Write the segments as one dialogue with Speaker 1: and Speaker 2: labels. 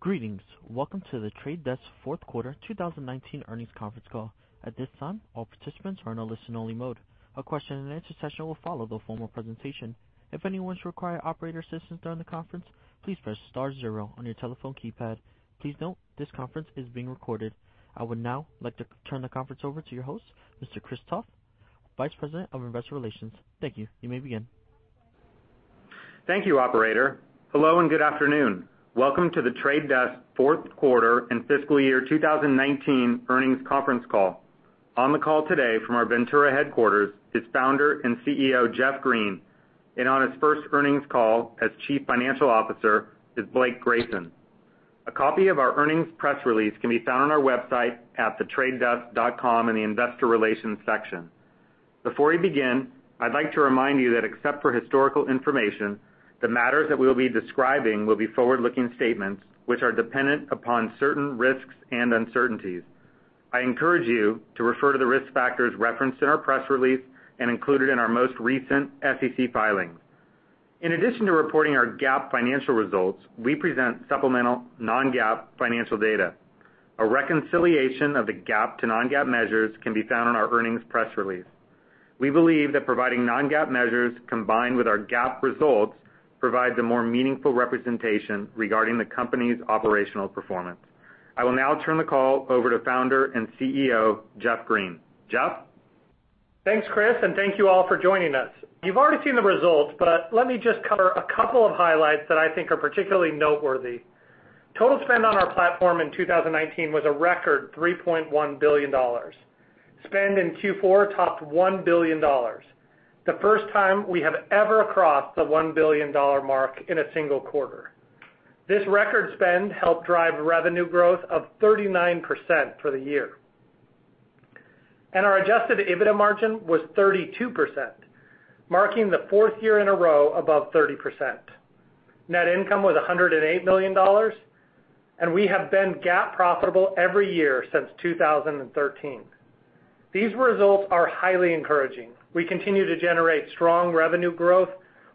Speaker 1: Greetings. Welcome to The Trade Desk fourth quarter 2019 earnings conference call. At this time, all participants are in a listen-only mode. A question-and-answer session will follow the formal presentation. If anyone requires operator assistance during the conference, please press star zero on your telephone keypad. Please note this conference is being recorded. I would now like to turn the conference over to your host, Mr. Chris Toth, Vice President of Investor Relations. Thank you. You may begin.
Speaker 2: Thank you, operator. Hello, and good afternoon. Welcome to The Trade Desk fourth quarter and fiscal year 2019 earnings conference call. On the call today from our Ventura headquarters is Founder and CEO, Jeff Green, and on his first earnings call as Chief Financial Officer is Blake Grayson. A copy of our earnings press release can be found on our website at thetradedesk.com in the Investor Relations section. Before we begin, I'd like to remind you that except for historical information, the matters that we'll be describing will be forward-looking statements which are dependent upon certain risks and uncertainties. I encourage you to refer to the risk factors referenced in our press release and included in our most recent SEC filings. In addition to reporting our GAAP financial results, we present supplemental non-GAAP financial data. A reconciliation of the GAAP to non-GAAP measures can be found on our earnings press release. We believe that providing non-GAAP measures combined with our GAAP results provides a more meaningful representation regarding the company's operational performance. I will now turn the call over to Founder and CEO, Jeff Green. Jeff?
Speaker 3: Thanks, Chris, and thank you all for joining us. You've already seen the results, but let me just cover a couple of highlights that I think are particularly noteworthy. Total spend on our platform in 2019 was a record $3.1 billion. Spend in Q4 topped $1 billion. The first time we have ever crossed the $1 billion mark in a single quarter. This record spend helped drive revenue growth of 39% for the year. Our adjusted EBITDA margin was 32%, marking the fourth year in a row above 30%. Net income was $108 million, and we have been GAAP profitable every year since 2013. These results are highly encouraging. We continue to generate strong revenue growth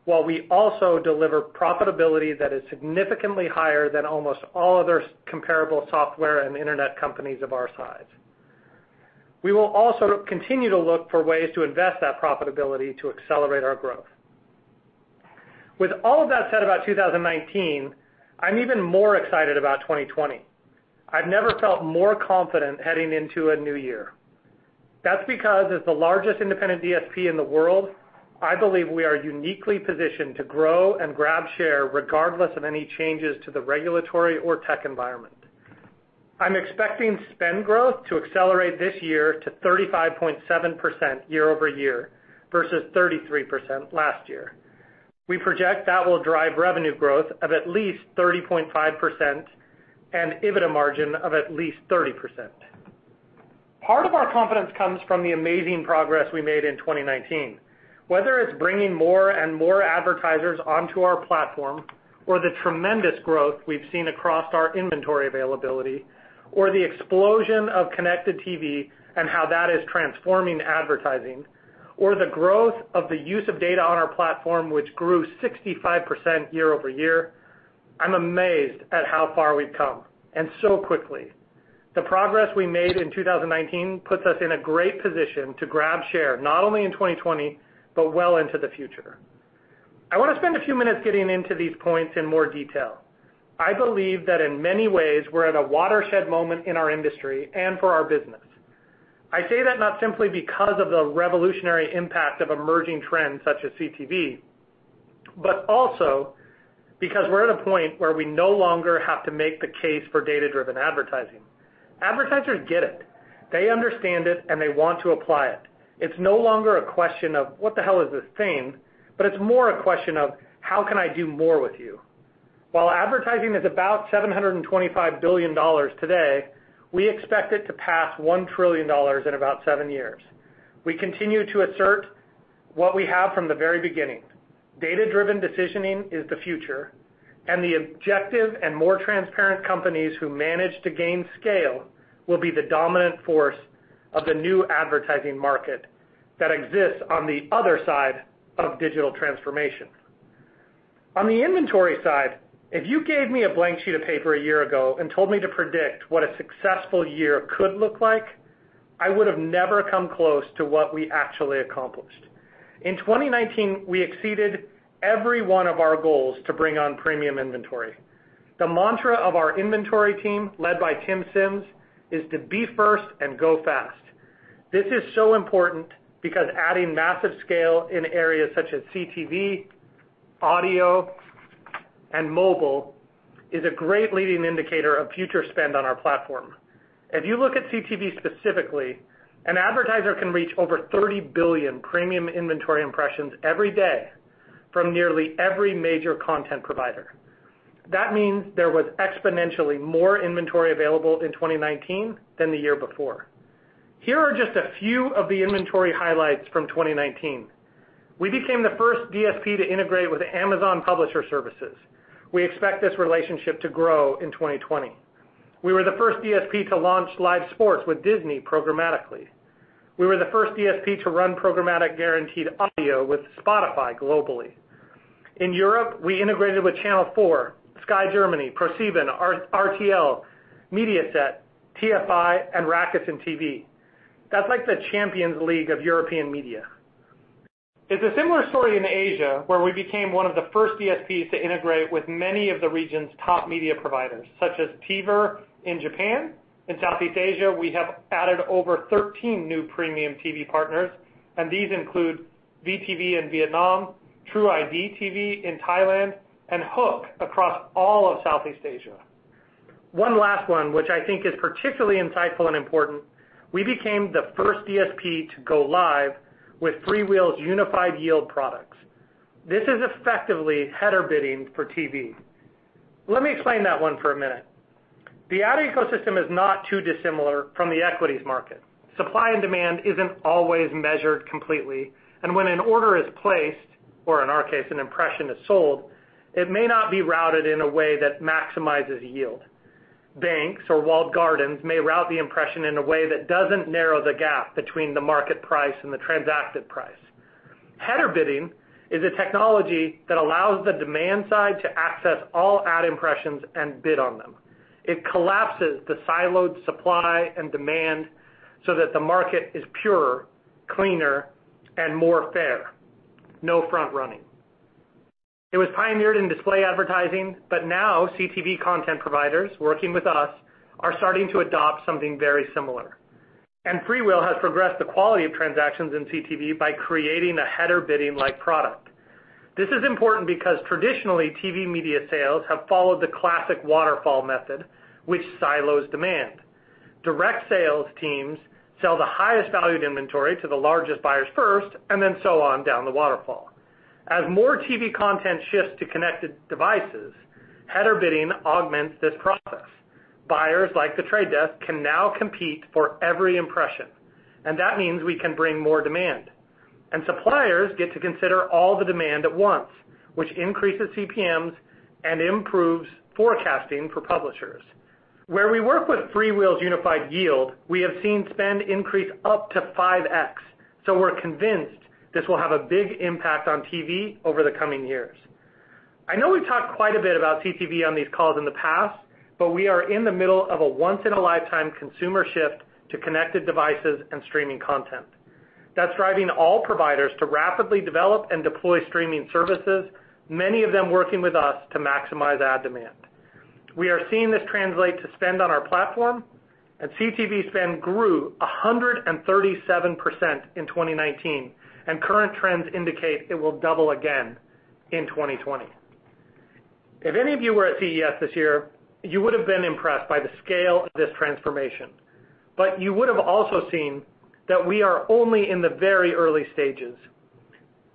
Speaker 3: while we also deliver profitability that is significantly higher than almost all other comparable software and internet companies of our size. We will also continue to look for ways to invest that profitability to accelerate our growth. With all of that said about 2019, I'm even more excited about 2020. I've never felt more confident heading into a new year. That's because as the largest independent DSP in the world, I believe we are uniquely positioned to grow and grab share regardless of any changes to the regulatory or tech environment. I'm expecting spend growth to accelerate this year to 35.7% year-over-year versus 33% last year. We project that will drive revenue growth of at least 30.5% and EBITDA margin of at least 30%. Part of our confidence comes from the amazing progress we made in 2019. Whether it's bringing more and more advertisers onto our platform or the tremendous growth we've seen across our inventory availability, or the explosion of connected TV and how that is transforming advertising, or the growth of the use of data on our platform, which grew 65% year-over-year, I'm amazed at how far we've come, and so quickly. The progress we made in 2019 puts us in a great position to grab share, not only in 2020, but well into the future. I want to spend a few minutes getting into these points in more detail. I believe that in many ways, we're at a watershed moment in our industry and for our business. I say that not simply because of the revolutionary impact of emerging trends such as CTV, but also because we're at a point where we no longer have to make the case for data-driven advertising. Advertisers get it. They understand it, and they want to apply it. It's no longer a question of, what the hell is this thing? It's more a question of, how can I do more with you? While advertising is about $725 billion today, we expect it to pass $1 trillion in about seven years. We continue to assert what we have from the very beginning. Data-driven decisioning is the future, and the objective and more transparent companies who manage to gain scale will be the dominant force of the new advertising market that exists on the other side of digital transformation. On the inventory side, if you gave me a blank sheet of paper a year ago and told me to predict what a successful year could look like, I would have never come close to what we actually accomplished. In 2019, we exceeded every one of our goals to bring on premium inventory. The mantra of our inventory team, led by Tim Sims, is to be first and go fast. This is so important because adding massive scale in areas such as CTV, audio, and mobile is a great leading indicator of future spend on our platform. If you look at CTV specifically, an advertiser can reach over 30 billion premium inventory impressions every day from nearly every major content provider. That means there was exponentially more inventory available in 2019 than the year before. Here are just a few of the inventory highlights from 2019. We became the first DSP to integrate with Amazon Publisher Services. We expect this relationship to grow in 2020. We were the first DSP to launch live sports with Disney programmatically. We were the first DSP to run programmatic guaranteed audio with Spotify globally. In Europe, we integrated with Channel 4, Sky Germany, ProSieben, RTL, Mediaset, TF1, and Rakuten TV. That's like the Champions League of European media. It's a similar story in Asia, where we became one of the first DSPs to integrate with many of the region's top media providers, such as TVer in Japan. In Southeast Asia, we have added over 13 new premium TV partners, and these include VTV in Vietnam, TrueID TV in Thailand, and HOOQ across all of Southeast Asia. One last one, which I think is particularly insightful and important, we became the first DSP to go live with FreeWheel's Unified Yield products. This is effectively header bidding for TV. Let me explain that one for a minute. The ad ecosystem is not too dissimilar from the equities market. Supply and demand isn't always measured completely, and when an order is placed, or in our case, an impression is sold, it may not be routed in a way that maximizes yield. Banks or walled gardens may route the impression in a way that doesn't narrow the gap between the market price and the transacted price. Header bidding is a technology that allows the demand side to access all ad impressions and bid on them. It collapses the siloed supply and demand so that the market is purer, cleaner, and fairer. No front running. It was pioneered in display advertising, but now CTV content providers working with us are starting to adopt something very similar. FreeWheel has progressed the quality of transactions in CTV by creating a header bidding-like product. This is important because traditionally, TV media sales have followed the classic waterfall method, which silos demand. Direct sales teams sell the highest valued inventory to the largest buyers first, and then so on down the waterfall. As more TV content shifts to connected devices, header bidding augments this process. Buyers like The Trade Desk can now compete for every impression. That means we can bring more demand. Suppliers get to consider all the demand at once, which increases CPMs and improves forecasting for publishers. Where we work with FreeWheel's Unified Yield, we have seen spend increase up to 5x. We're convinced this will have a big impact on TV over the coming years. I know we've talked quite a bit about CTV on these calls in the past. We are in the middle of a once-in-a-lifetime consumer shift to connected devices and streaming content. That's driving all providers to rapidly develop and deploy streaming services, many of them working with us to maximize ad demand. We are seeing that translate to our platform. CTV spend grew 137% in 2019, and current trends indicate it will double again in 2020. If any of you were at CES this year, you would have been impressed by the scale of this transformation. You would have also seen that we are only in the very early stages.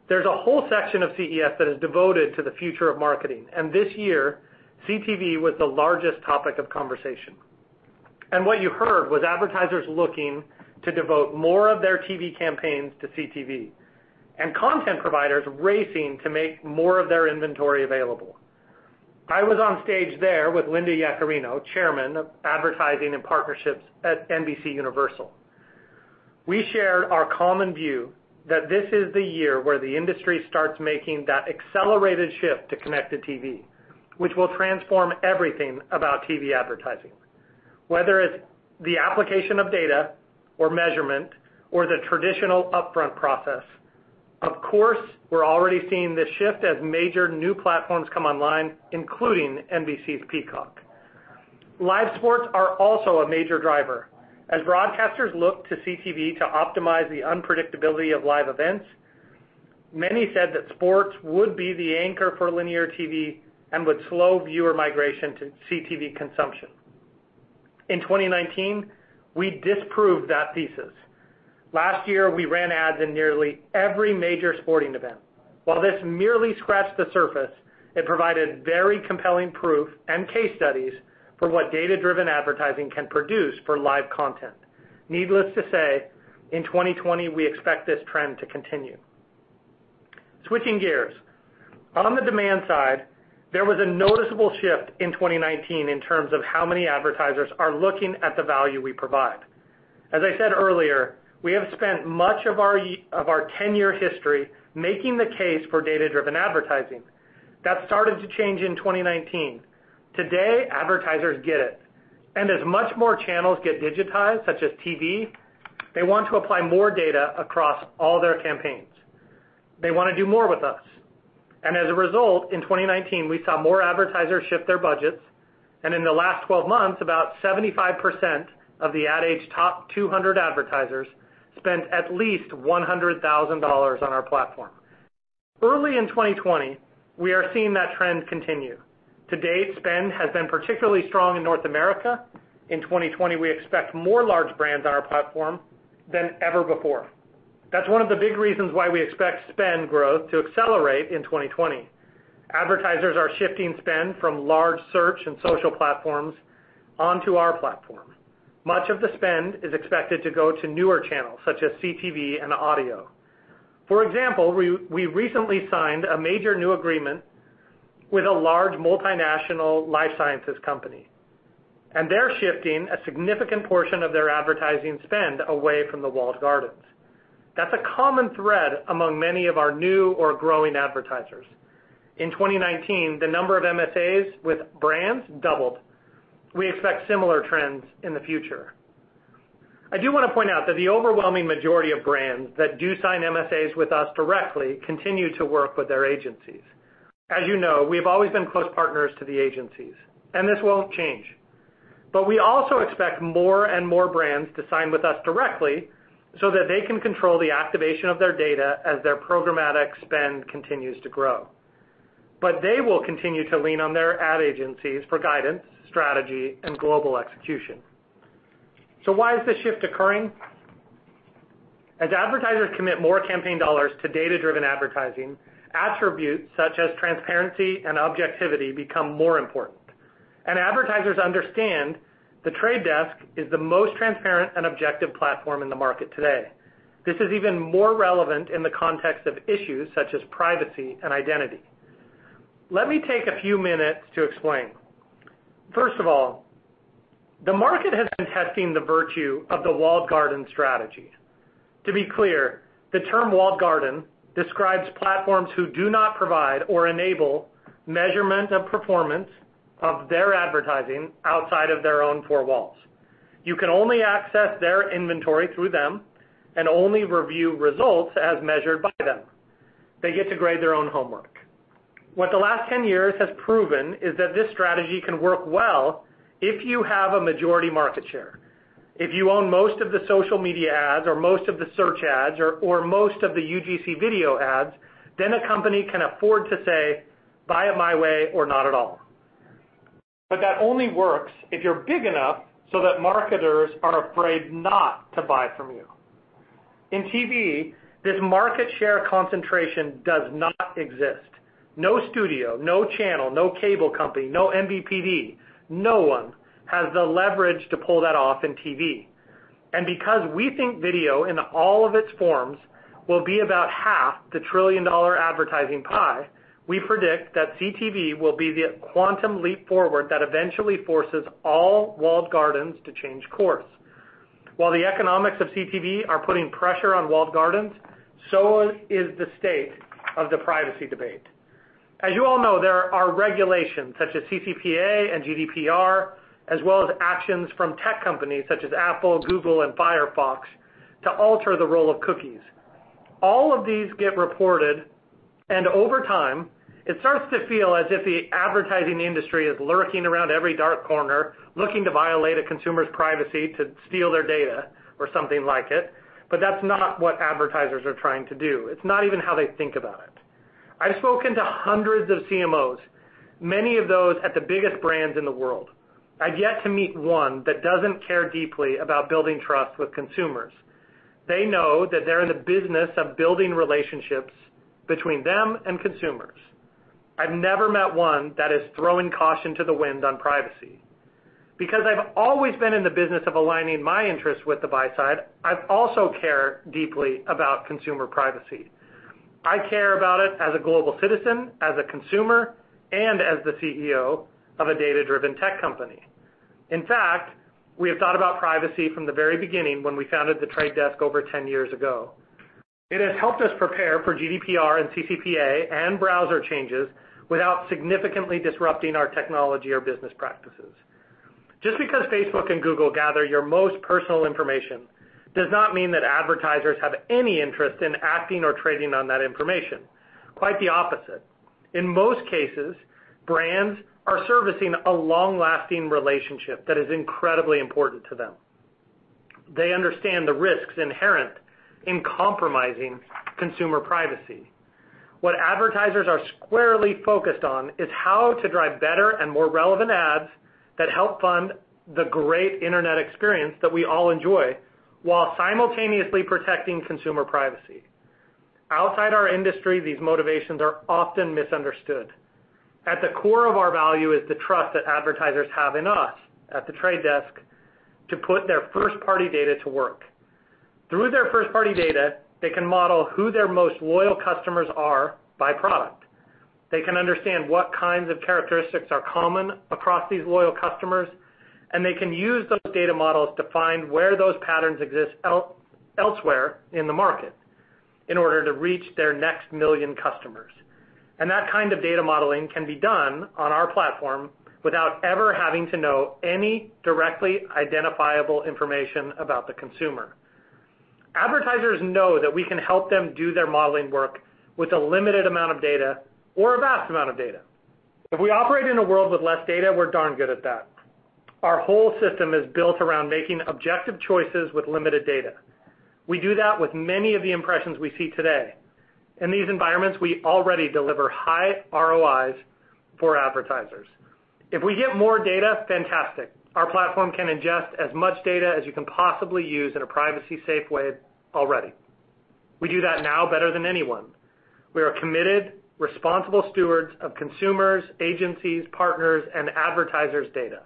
Speaker 3: There's a whole section of CES that is devoted to the future of marketing, and this year, CTV was the largest topic of conversation. What you heard was advertisers looking to devote more of their TV campaigns to CTV, and content providers racing to make more of their inventory available. I was on stage there with Linda Yaccarino, Chairman of Advertising and Partnerships at NBCUniversal. We shared our common view that this is the year where the industry starts making that accelerated shift to connected TV, which will transform everything about TV advertising, whether it's the application of data, measurement, or the traditional upfront process. Of course, we're already seeing this shift as major new platforms come online, including NBC's Peacock. Live sports are also a major driver. As broadcasters look to CTV to optimize the unpredictability of live events, many said that sports would be the anchor for linear TV and would slow viewer migration to CTV consumption. In 2019, we disproved that thesis. Last year, we ran ads in nearly every major sporting event. While this merely scratched the surface, it provided very compelling proof and case studies for what data-driven advertising can produce for live content. Needless to say, in 2020, we expect this trend to continue. Switching gears. On the demand side, there was a noticeable shift in 2019 in terms of how many advertisers are looking at the value we provide. As I said earlier, we have spent much of our 10-year history making the case for data-driven advertising. That started to change in 2019. Today, advertisers get it, and as more channels get digitized, such as TV, they want to apply more data across all their campaigns. They want to do more with us. As a result, in 2019, we saw more advertisers shift their budgets, and in the last 12 months, about 75% of the Ad Age top 200 advertisers spent at least $100,000 on our platform. Early in 2020, we are seeing that trend continue. To date, spend has been particularly strong in North America. In 2020, we expect more large brands on our platform than ever before. That's one of the big reasons why we expect spend growth to accelerate in 2020. Advertisers are shifting spend from large search and social platforms onto our platform. Much of the spend is expected to go to newer channels, such as CTV and audio. For example, we recently signed a major new agreement with a large multinational life sciences company, and they're shifting a significant portion of their advertising spend away from the walled gardens. That's a common thread among many of our new or growing advertisers. In 2019, the number of MSAs with brands doubled. We expect similar trends in the future. I do want to point out that the overwhelming majority of brands that do sign MSAs with us directly continue to work with their agencies. As you know, we've always been close partners to the agencies, and this won't change. We also expect more and more brands to sign with us directly so that they can control the activation of their data as their programmatic spend continues to grow. They will continue to lean on their ad agencies for guidance, strategy, and global execution. Why is this shift occurring? As advertisers commit more campaign dollars to data-driven advertising, attributes such as transparency and objectivity become more important. Advertisers understand The Trade Desk is the most transparent and objective platform in the market today. This is even more relevant in the context of issues such as privacy and identity. Let me take a few minutes to explain. First of all, the market has been testing the virtue of the walled garden strategy. To be clear, the term walled garden describes platforms who do not provide or enable measurement of performance of their advertising outside of their own four walls. You can only access their inventory through them and only review results as measured by them. They get to grade their own homework. What the last 10 years has proven is that this strategy can work well if you have a majority market share. If you own most of the social media ads, or most of the search ads, or most of the UGC video ads, then a company can afford to say, "Buy it my way or not at all." That only works if you're big enough so that marketers are afraid not to buy from you. In TV, this market share concentration does not exist. No studio, no channel, no cable company, no MVPD. No one has the leverage to pull that off in TV. Because we think video in all of its forms will be about half the trillion-dollar advertising pie, we predict that CTV will be the quantum leap forward that eventually forces all walled gardens to change course. While the economics of CTV are putting pressure on walled gardens, so is the state of the privacy debate. As you all know, there are regulations such as CCPA and GDPR, as well as actions from tech companies such as Apple, Google, and Firefox, to alter the role of cookies. All of these get reported, and over time, it starts to feel as if the advertising industry is lurking around every dark corner, looking to violate a consumer's privacy to steal their data or something like it. That's not what advertisers are trying to do. It's not even how they think about it. I've spoken to hundreds of CMOs, many of those at the biggest brands in the world. I've yet to meet one that doesn't care deeply about building trust with consumers. They know that they're in the business of building relationships between them and consumers. I've never met one that is throwing caution to the wind on privacy. I've always been in the business of aligning my interests with the buy side, I also care deeply about consumer privacy. I care about it as a global citizen, as a consumer, and as the CEO of a data-driven tech company. In fact, we have thought about privacy from the very beginning when we founded The Trade Desk over 10 years ago. It has helped us prepare for GDPR and CCPA and browser changes without significantly disrupting our technology or business practices. Just because Facebook and Google gather your most personal information does not mean that advertisers have any interest in acting or trading on that information. Quite the opposite. In most cases, brands are servicing a long-lasting relationship that is incredibly important to them. They understand the risks inherent in compromising consumer privacy. What advertisers are squarely focused on is how to drive better and more relevant ads that help fund the great internet experience that we all enjoy while simultaneously protecting consumer privacy. Outside our industry, these motivations are often misunderstood. At the core of our value is the trust that advertisers have in us, at The Trade Desk, to put their first-party data to work. Through their first-party data, they can model who their most loyal customers are by product. They can understand what kinds of characteristics are common across these loyal customers, and they can use those data models to find where those patterns exist elsewhere in the market in order to reach their next million customers. That kind of data modeling can be done on our platform without ever having to know any directly identifiable information about the consumer. Advertisers know that we can help them do their modeling work with a limited amount of data or a vast amount of data. If we operate in a world with less data, we're darn good at that. Our whole system is built around making objective choices with limited data. We do that with many of the impressions we see today. In these environments, we already deliver high ROIs for advertisers. If we get more data, fantastic. Our platform can ingest as much data as you can possibly use in a privacy-safe way already. We do that now better than anyone. We are committed, responsible stewards of consumers, agencies, partners, and advertisers' data.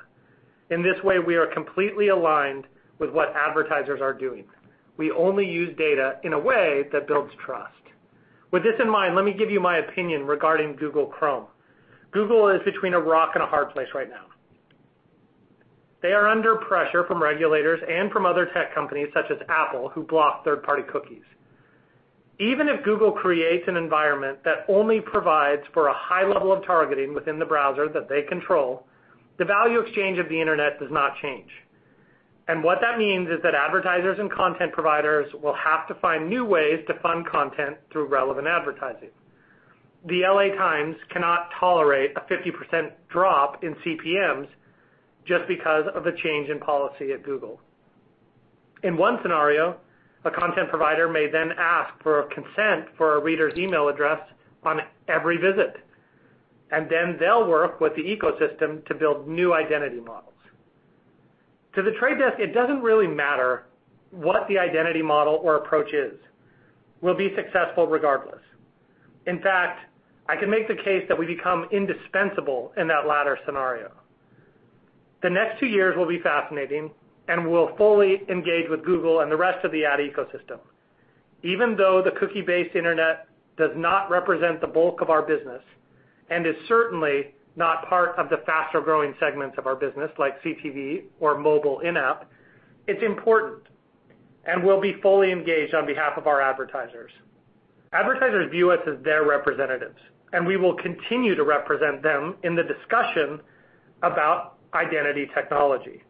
Speaker 3: In this way, we are completely aligned with what advertisers are doing. We only use data in a way that builds trust. With this in mind, let me give you my opinion regarding Google Chrome. Google is between a rock and a hard place right now. They are under pressure from regulators and from other tech companies such as Apple, who block third-party cookies. Even if Google creates an environment that only provides for a high level of targeting within the browser that they control, the value exchange of the internet does not change. What that means is that advertisers and content providers will have to find new ways to fund content through relevant advertising. The L.A. Times cannot tolerate a 50% drop in CPMs just because of a change in policy at Google. In one scenario, a content provider may then ask for consent for a reader's email address on every visit, and then they'll work with the ecosystem to build new identity models. To The Trade Desk, it doesn't really matter what the identity model or approach is. We'll be successful regardless. In fact, I can make the case that we become indispensable in that latter scenario. The next two years will be fascinating, and we'll fully engage with Google and the rest of the ad ecosystem. Even though the cookie-based internet does not represent the bulk of our business and is certainly not part of the faster-growing segments of our business, like CTV or mobile in-app, it's important, and we'll be fully engaged on behalf of our advertisers. Advertisers view us as their representatives, and we will continue to represent them in the discussion about identity technology.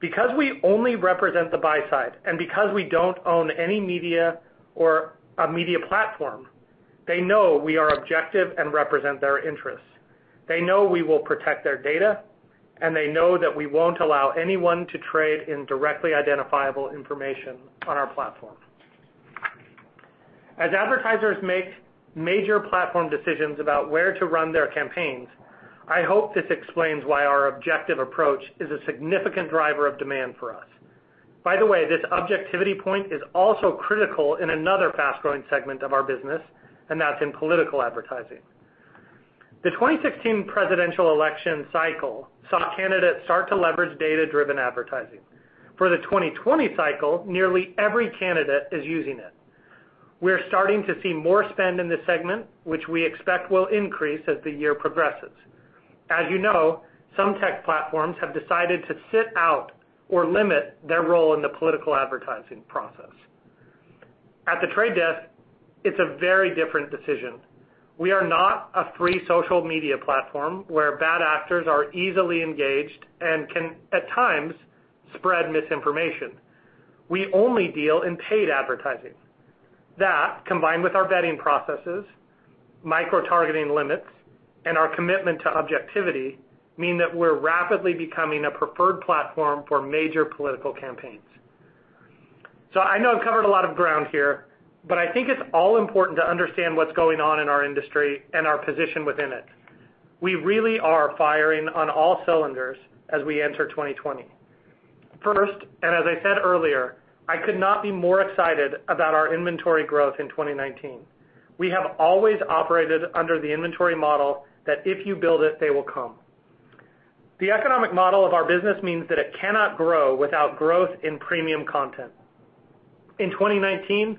Speaker 3: Because we only represent the buy side and because we don't own any media or a media platform, they know we are objective and represent their interests. They know we will protect their data, and they know that we won't allow anyone to trade in directly identifiable information on our platform. As advertisers make major platform decisions about where to run their campaigns, I hope this explains why our objective approach is a significant driver of demand for us. By the way, this objectivity point is also critical in another fast-growing segment of our business, and that's in political advertising. The 2016 presidential election cycle saw candidates start to leverage data-driven advertising. For the 2020 cycle, nearly every candidate is using it. We are starting to see more spend in this segment, which we expect will increase as the year progresses. As you know, some tech platforms have decided to sit out or limit their role in the political advertising process. At The Trade Desk, it's a very different decision. We are not a free social media platform where bad actors are easily engaged and can, at times, spread misinformation. We only deal in paid advertising. That, combined with our vetting processes, micro-targeting limits, and our commitment to objectivity, mean that we're rapidly becoming a preferred platform for major political campaigns. I know I've covered a lot of ground here, but I think it's all important to understand what's going on in our industry and our position within it. We really are firing on all cylinders as we enter 2020. First, and as I said earlier, I could not be more excited about our inventory growth in 2019. We have always operated under the inventory model that if you build it, they will come. The economic model of our business means that it cannot grow without growth in premium content. In 2019,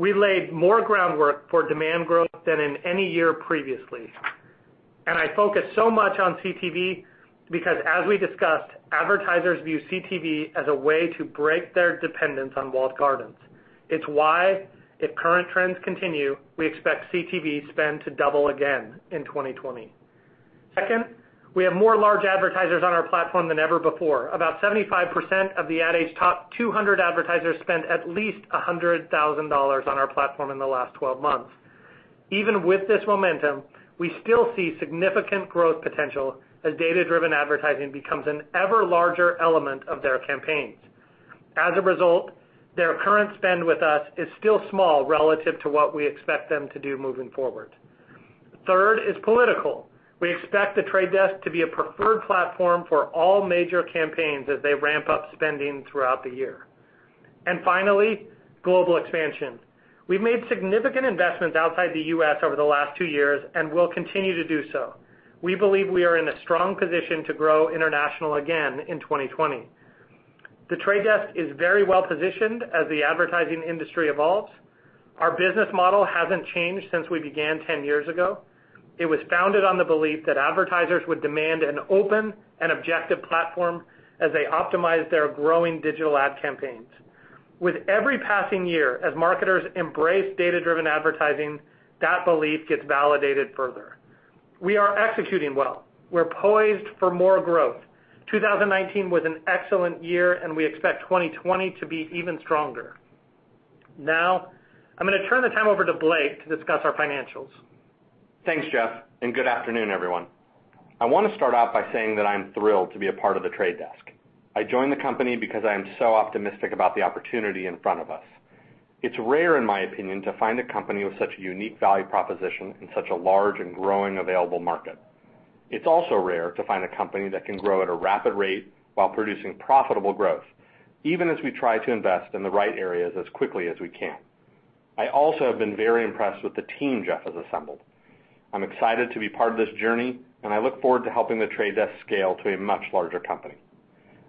Speaker 3: we laid more groundwork for demand growth than in any year previously. I focus so much on CTV because, as we discussed, advertisers view CTV as a way to break their dependence on walled gardens. It's why, if current trends continue, we expect CTV spend to double again in 2020. Second, we have more large advertisers on our platform than ever before. About 75% of the Ad Age top 200 advertisers spent at least $100,000 on our platform in the last 12 months. Even with this momentum, we still see significant growth potential as data-driven advertising becomes an ever larger element of their campaigns. As a result, their current spend with us is still small relative to what we expect them to do moving forward. Third is political. We expect The Trade Desk to be a preferred platform for all major campaigns as they ramp up spending throughout the year. Finally, global expansion. We've made significant investments outside the U.S. over the last two years and will continue to do so. We believe we are in a strong position to grow international again in 2020. The Trade Desk is very well-positioned as the advertising industry evolves. Our business model hasn't changed since we began 10 years ago. It was founded on the belief that advertisers would demand an open and objective platform as they optimize their growing digital ad campaigns. With every passing year, as marketers embrace data-driven advertising, that belief gets validated further. We are executing well. We're poised for more growth. 2019 was an excellent year, and we expect 2020 to be even stronger. I'm going to turn the time over to Blake to discuss our financials.
Speaker 4: Thanks, Jeff. Good afternoon, everyone. I want to start out by saying that I am thrilled to be a part of The Trade Desk. I joined the company because I am so optimistic about the opportunity in front of us. It's rare, in my opinion, to find a company with such a unique value proposition in such a large and growing available market. It's also rare to find a company that can grow at a rapid rate while producing profitable growth, even as we try to invest in the right areas as quickly as we can. I also have been very impressed with the team Jeff has assembled. I'm excited to be part of this journey. I look forward to helping The Trade Desk scale to a much larger company.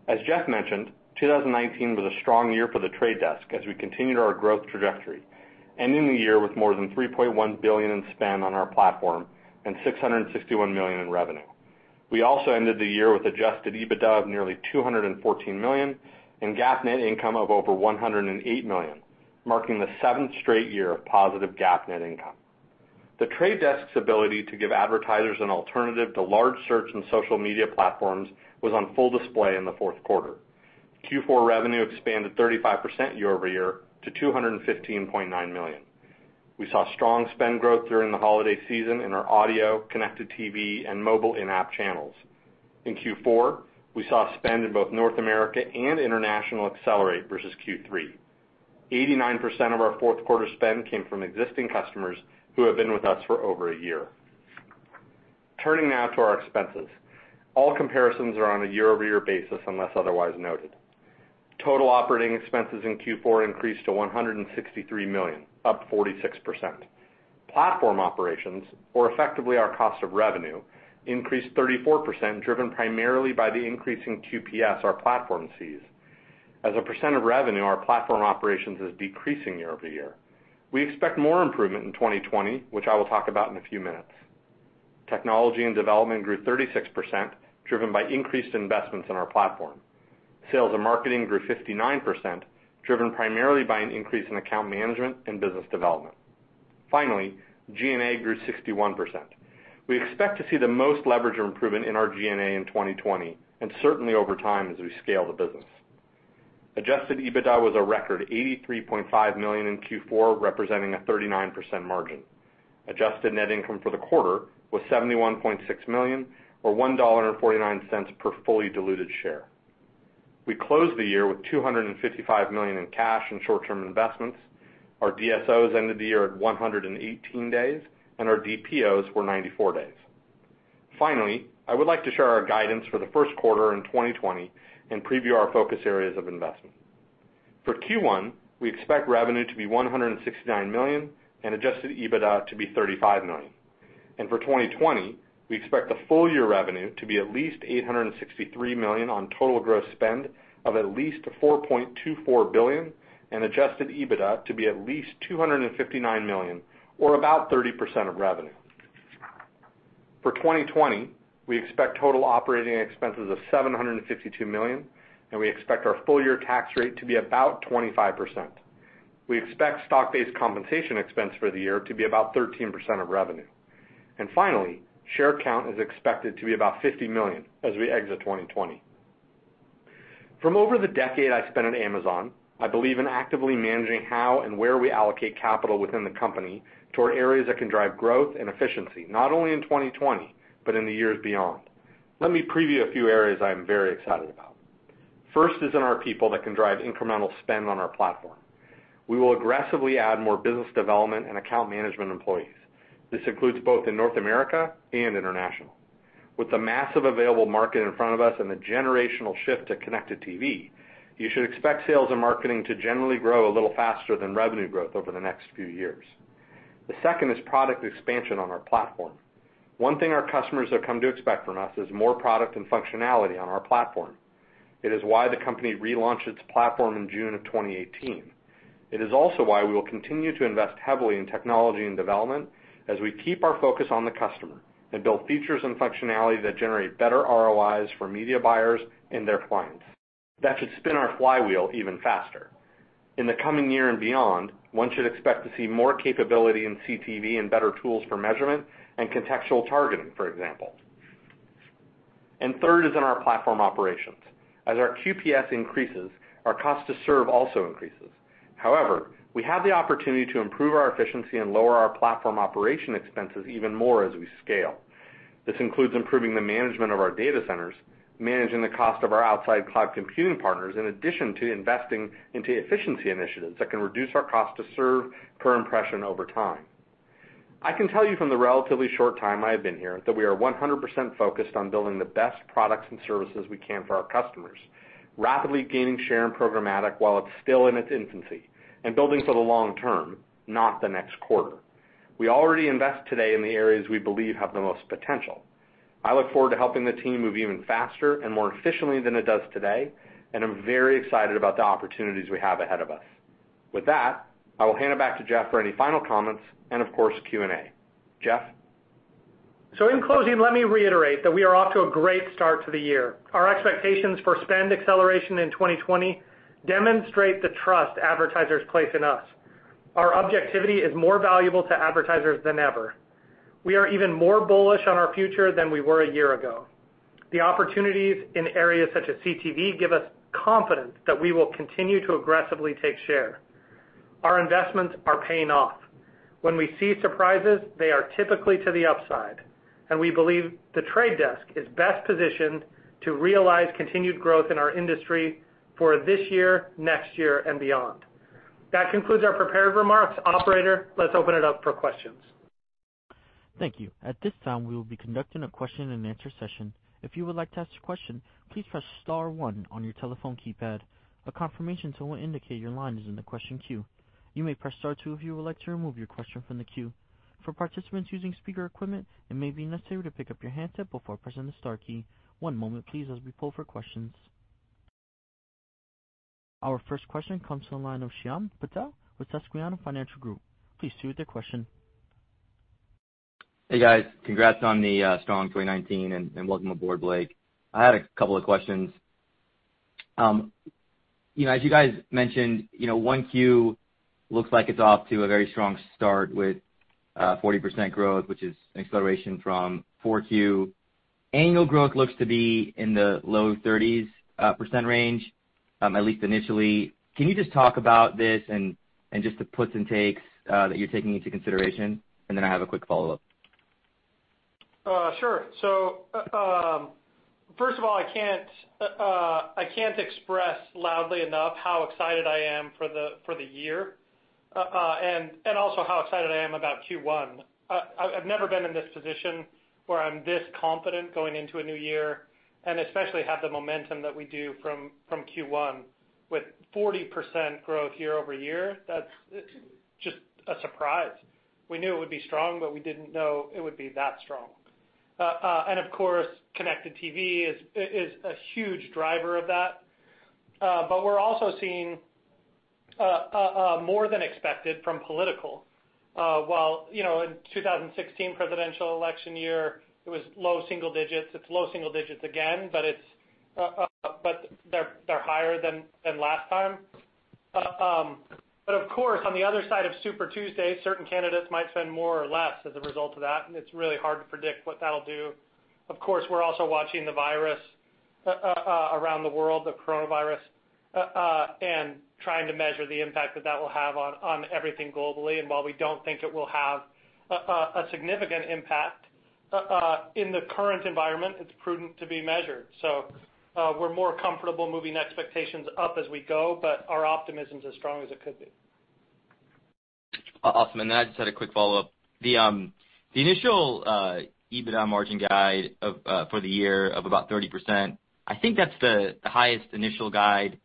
Speaker 4: As Jeff mentioned, 2019 was a strong year for The Trade Desk as we continued our growth trajectory, ending the year with more than $3.1 billion in spend on our platform and $661 million in revenue. We also ended the year with adjusted EBITDA of nearly $214 million and GAAP net income of over $108 million, marking the seventh straight year of positive GAAP net income. The Trade Desk's ability to give advertisers an alternative to large search and social media platforms was on full display in the fourth quarter. Q4 revenue expanded 35% year-over-year to $215.9 million. We saw strong spend growth during the holiday season in our audio, connected TV, and mobile in-app channels. In Q4, we saw spend in both North America and international accelerate versus Q3. 89% of our Q4 spend came from existing customers who have been with us for over one year. Turning now to our expenses. All comparisons are on a year-over-year basis unless otherwise noted. Total operating expenses in Q4 increased to $163 million, up 46%. Platform operations, or effectively our cost of revenue, increased 34%, driven primarily by the increase in QPS, our platform fees. As a percent of revenue, our platform operations is decreasing year-over-year. We expect more improvement in 2020, which I will talk about in a few minutes. Technology and development grew 36%, driven by increased investments in our platform. Sales and marketing grew 59%, driven primarily by an increase in account management and business development. Finally, G&A grew 61%. We expect to see the most leverage improvement in our G&A in 2020 and certainly over time as we scale the business. Adjusted EBITDA was a record $83.5 million in Q4, representing a 39% margin. Adjusted net income for the quarter was $71.6 million, or $1.49 per fully diluted share. We closed the year with $255 million in cash and short-term investments. Our DSOs ended the year at 118 days, and our DPOs were 94 days. Finally, I would like to share our guidance for the first quarter in 2020 and preview our focus areas of investment. For Q1, we expect revenue to be $169 million and adjusted EBITDA to be $35 million. For 2020, we expect the full year revenue to be at least $863 million on total gross spend of at least $4.24 billion and adjusted EBITDA to be at least $259 million or about 30% of revenue. For 2020, we expect total operating expenses of $752 million. We expect our full year tax rate to be about 25%. We expect stock-based compensation expense for the year to be about 13% of revenue. Finally, share count is expected to be about 50 million as we exit 2020. From over the decade I spent at Amazon, I believe in actively managing how and where we allocate capital within the company toward areas that can drive growth and efficiency, not only in 2020, but in the years beyond. Let me preview a few areas I am very excited about. First is in our people that can drive incremental spend on our platform. We will aggressively add more business development and account management employees. This includes both in North America and international. With the massive available market in front of us and the generational shift to connected TV, you should expect sales and marketing to generally grow a little faster than revenue growth over the next few years. The second is product expansion on our platform. One thing our customers have come to expect from us is more product and functionality on our platform. It is why the company relaunched its platform in June of 2018. It is also why we will continue to invest heavily in technology and development as we keep our focus on the customer and build features and functionality that generate better ROIs for media buyers and their clients. That should spin our flywheel even faster. In the coming year and beyond, one should expect to see more capability in CTV and better tools for measurement and contextual targeting, for example. Third is in our platform operations. As our QPS increases, our cost to serve also increases. However, we have the opportunity to improve our efficiency and lower our platform operation expenses even more as we scale. This includes improving the management of our data centers, managing the cost of our outside cloud computing partners, in addition to investing into efficiency initiatives that can reduce our cost to serve per impression over time. I can tell you from the relatively short time I have been here that we are 100% focused on building the best products and services we can for our customers, rapidly gaining share and programmatic while it's still in its infancy, and building for the long term, not the next quarter. We already invest today in the areas we believe have the most potential. I look forward to helping the team move even faster and more efficiently than it does today, and I'm very excited about the opportunities we have ahead of us. With that, I will hand it back to Jeff for any final comments and of course, Q&A. Jeff?
Speaker 3: In closing, let me reiterate that we are off to a great start to the year. Our expectations for spend acceleration in 2020 demonstrate the trust advertisers place in us. Our objectivity is more valuable to advertisers than ever. We are even more bullish on our future than we were a year ago. The opportunities in areas such as CTV give us confidence that we will continue to aggressively take share. Our investments are paying off. When we see surprises, they are typically to the upside, and we believe The Trade Desk is best positioned to realize continued growth in our industry for this year, next year, and beyond. That concludes our prepared remarks. Operator, let's open it up for questions.
Speaker 1: Thank you. At this time, we will be conducting a question and answer session. If you would like to ask a question, please press star one on your telephone keypad. A confirmation tone will indicate your line is in the question queue. You may press star two if you would like to remove your question from the queue. For participants using speaker equipment, it may be necessary to pick up your handset before pressing the star key. One moment please, as we poll for questions. Our first question comes to the line of Shyam Patil with Susquehanna Financial Group. Please proceed with your question.
Speaker 5: Hey, guys. Congrats on the strong 2019, and welcome aboard, Blake. I had a couple of questions. As you guys mentioned, 1Q looks like it's off to a very strong start with 40% growth, which is an acceleration from 4Q. Annual growth looks to be in the low 30s% range, at least initially. Can you just talk about this and just the puts and takes that you're taking into consideration? I have a quick follow-up.
Speaker 3: Sure. First of all, I can't express loudly enough how excited I am for the year, and also how excited I am about Q1. I've never been in this position where I'm this confident going into a new year, and especially have the momentum that we do from Q1 with 40% growth year-over-year. That's just a surprise. We knew it would be strong, but we didn't know it would be that strong. Of course, connected TV is a huge driver of that. We're also seeing more than expected from political. While in 2016 presidential election year, it was low single digits. It's low single digits again, but they're higher than last time. Of course, on the other side of Super Tuesday, certain candidates might spend more or less as a result of that, and it's really hard to predict what that'll do. Of course, we're also watching the virus around the world, the coronavirus, and trying to measure the impact that that will have on everything globally. While we don't think it will have a significant impact, in the current environment, it's prudent to be measured. We're more comfortable moving expectations up as we go, but our optimism is as strong as it could be.
Speaker 5: Awesome. Then I just had a quick follow-up. The initial EBITDA margin guide for the year of about 30%, I think that's the highest initial guide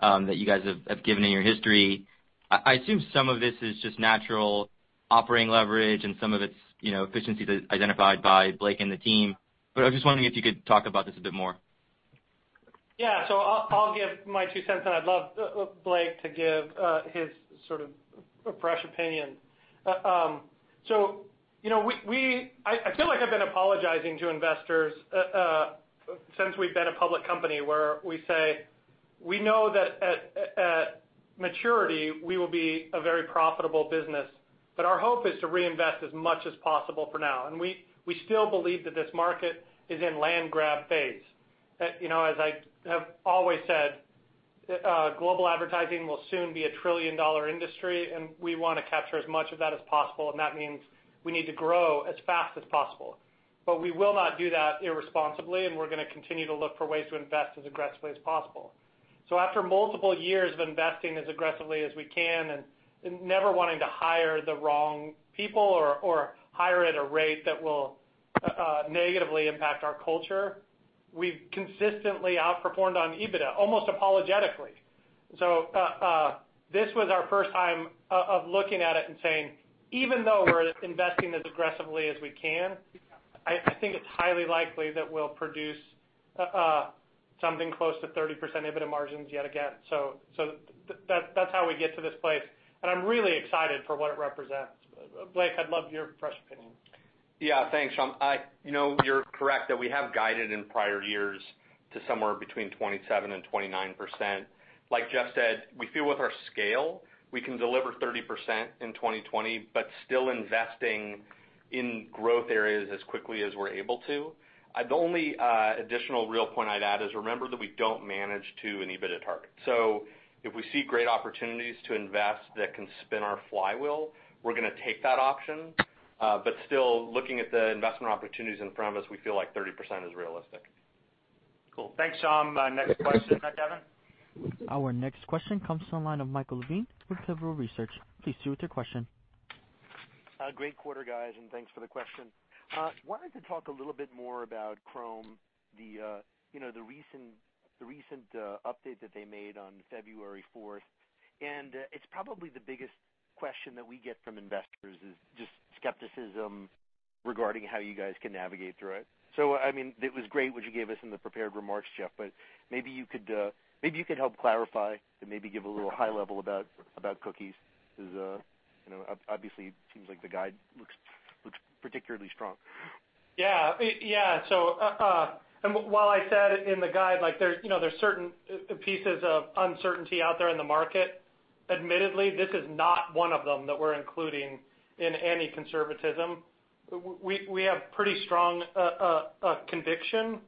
Speaker 5: that you guys have given in your history. I assume some of this is just natural operating leverage and some of it's efficiency that's identified by Blake and the team, but I was just wondering if you could talk about this a bit more.
Speaker 3: Yeah. I'll give my two cents, and I'd love Blake to give his sort of fresh opinion. I feel like I've been apologizing to investors since we've been a public company where we say we know that at maturity we will be a very profitable business, our hope is to reinvest as much as possible for now. We still believe that this market is in land grab phase. As I have always said, global advertising will soon be a trillion-dollar industry, we want to capture as much of that as possible, that means we need to grow as fast as possible. We will not do that irresponsibly, we're going to continue to look for ways to invest as aggressively as possible. After multiple years of investing as aggressively as we can and never wanting to hire the wrong people or hire at a rate that will negatively impact our culture, we've consistently outperformed on EBITDA, almost apologetically. This was our first time of looking at it and saying, even though we're investing as aggressively as we can, I think it's highly likely that we'll produce something close to 30% EBITDA margins yet again. That's how we get to this place, and I'm really excited for what it represents. Blake, I'd love your fresh opinion.
Speaker 4: Thanks, Shyam. You're correct that we have guided in prior years to somewhere between 27% and 29%. Like Jeff said, we feel with our scale, we can deliver 30% in 2020, but still investing in growth areas as quickly as we're able to. The only additional real point I'd add is remember that we don't manage to an EBITDA target. If we see great opportunities to invest that can spin our flywheel, we're going to take that option. Still looking at the investment opportunities in front of us, we feel like 30% is realistic.
Speaker 2: Cool. Thanks, Shyam. Next question, Devin.
Speaker 1: Our next question comes to the line of Michael Levine with Pivotal Research. Please proceed with your question.
Speaker 6: Great quarter, guys. Thanks for the question. Wanted to talk a little bit more about Chrome, the recent update that they made on February 4th. It's probably the biggest question that we get from investors is just skepticism regarding how you guys can navigate through it. I mean, it was great what you gave us in the prepared remarks, Jeff. Maybe you could help clarify and maybe give a little high level about cookies because, obviously it seems like the guide looks particularly strong.
Speaker 3: Yeah. While I said it in the guide, there's certain pieces of uncertainty out there in the market. Admittedly, this is not one of them that we're including in any conservatism. We have pretty strong conviction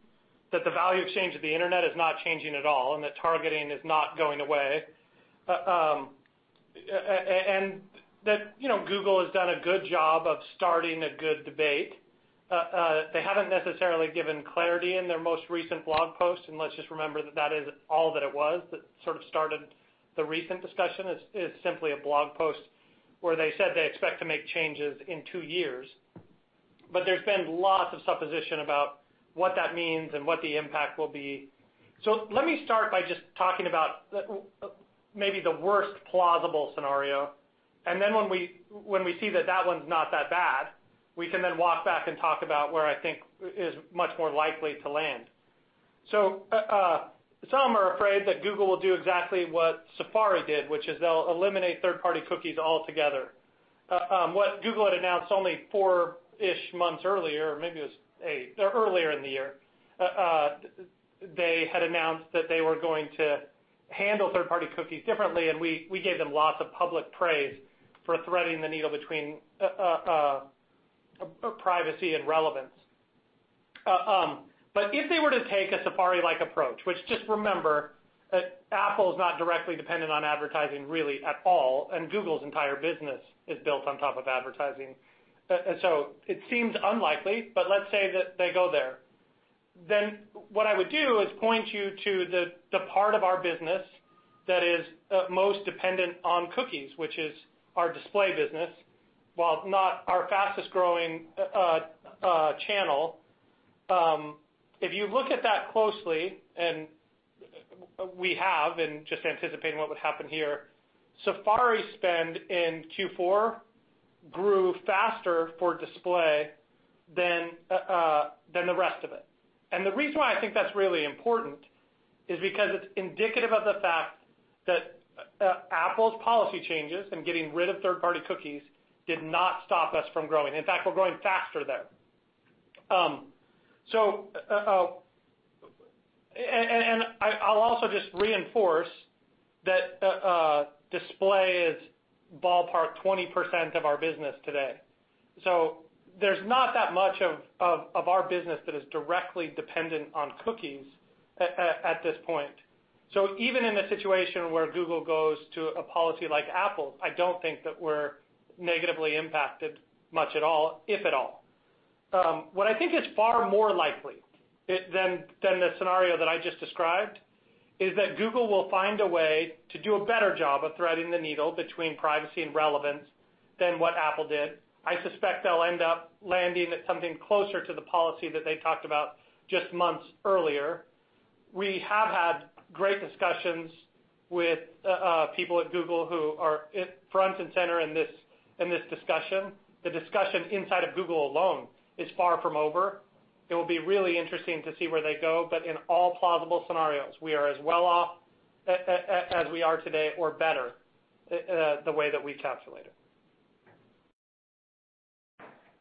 Speaker 3: that the value exchange of the internet is not changing at all, and that targeting is not going away. Google has done a good job of starting a good debate. They haven't necessarily given clarity in their most recent blog post, and let's just remember that that is all that it was that sort of started the recent discussion. It's simply a blog post where they said they expect to make changes in two years. There's been lots of supposition about what that means and what the impact will be. Let me start by just talking about maybe the worst plausible scenario, and then when we see that that one's not that bad, we can then walk back and talk about where I think is much more likely to land. Some are afraid that Google will do exactly what Safari did, which is they'll eliminate third-party cookies altogether. What Google had announced only four-ish months earlier, or maybe it was eight, or earlier in the year, they had announced that they were going to handle third-party cookies differently, and we gave them lots of public praise for threading the needle between privacy and relevance. If they were to take a Safari-like approach, which just remember that Apple is not directly dependent on advertising really at all, and Google's entire business is built on top of advertising. It seems unlikely, but let's say that they go there. What I would do is point you to the part of our business that is most dependent on cookies, which is our display business. While not our fastest-growing channel, if you look at that closely, and we have in just anticipating what would happen here, Safari spend in Q4 grew faster for display than the rest of it. The reason why I think that's really important is because it's indicative of the fact that Apple's policy changes and getting rid of third-party cookies did not stop us from growing. In fact, we're growing faster there. I'll also just reinforce that display is ballpark 20% of our business today. There's not that much of our business that is directly dependent on cookies at this point. Even in a situation where Google goes to a policy like Apple, I don't think that we're negatively impacted much at all, if at all. What I think is far more likely than the scenario that I just described is that Google will find a way to do a better job of threading the needle between privacy and relevance than what Apple did. I suspect they'll end up landing at something closer to the policy that they talked about just months earlier. We have had great discussions with people at Google who are front and center in this discussion. The discussion inside of Google alone is far from over. It will be really interesting to see where they go. In all plausible scenarios, we are as well off as we are today or better, the way that we calculate it.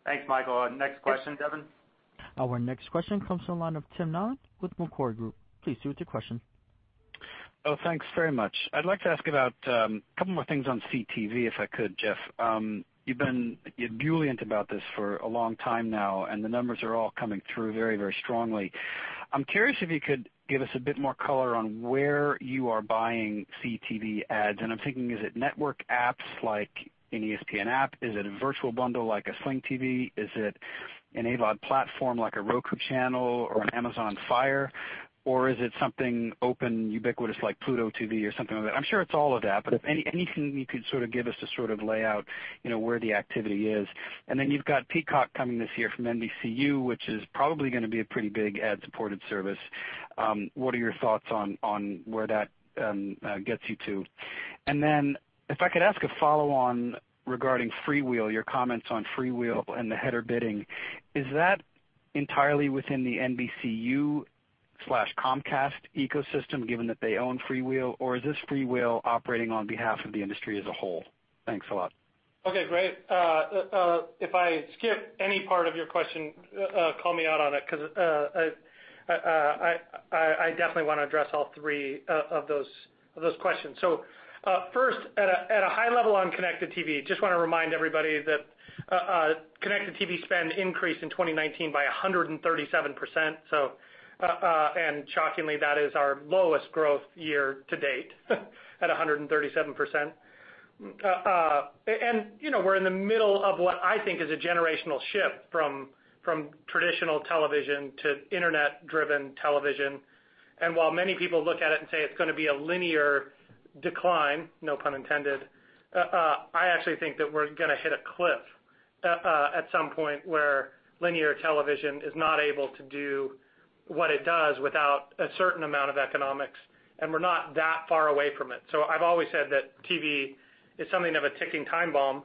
Speaker 2: Thanks, Michael. Next question, Devin?
Speaker 1: Our next question comes from the line of Tim Nollen with Macquarie Group. Please proceed with your question.
Speaker 7: Oh, thanks very much. I'd like to ask about a couple more things on CTV, if I could, Jeff. You've been ebullient about this for a long time now, and the numbers are all coming through very, very strongly. I'm curious if you could give us a bit more color on where you are buying CTV ads. I'm thinking, is it network apps like an ESPN app? Is it a virtual bundle like a Sling TV? Is it an AVOD platform like The Roku Channel or an Amazon Fire TV? Is it something open ubiquitous like Pluto TV or something like that? I'm sure it's all of that, but anything you could sort of give us a sort of layout, where the activity is. Then you've got Peacock coming this year from NBCU, which is probably going to be a pretty big ad-supported service. What are your thoughts on where that gets you to? If I could ask a follow-on regarding FreeWheel, your comments on FreeWheel and the header bidding. Is that entirely within the NBCU/Comcast ecosystem, given that they own FreeWheel? Or is this FreeWheel operating on behalf of the industry as a whole? Thanks a lot.
Speaker 3: Okay, great. If I skip any part of your question, call me out on it, because I definitely want to address all three of those questions. First, at a high level on connected TV, just want to remind everybody that connected TV spend increased in 2019 by 137%. Shockingly, that is our lowest growth year to date at 137%. We're in the middle of what I think is a generational shift from traditional television to internet-driven television. While many people look at it and say it's going to be a linear decline, no pun intended, I actually think that we're going to hit a cliff at some point where linear television is not able to do what it does without a certain amount of economics, and we're not that far away from it. I've always said that TV is something of a ticking time bomb,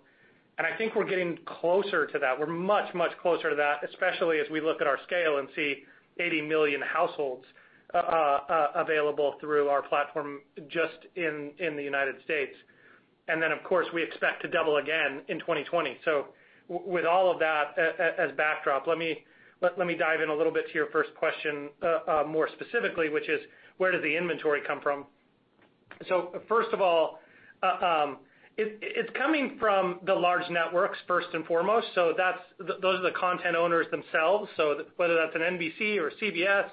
Speaker 3: and I think we're getting closer to that. We're much, much closer to that, especially as we look at our scale and see 80 million households available through our platform just in the U.S. Of course, we expect to double again in 2020. With all of that as backdrop, let me dive in a little bit to your first question more specifically, which is: Where does the inventory come from? First of all, it's coming from the large networks, first and foremost. Those are the content owners themselves. Whether that's an NBC or CBS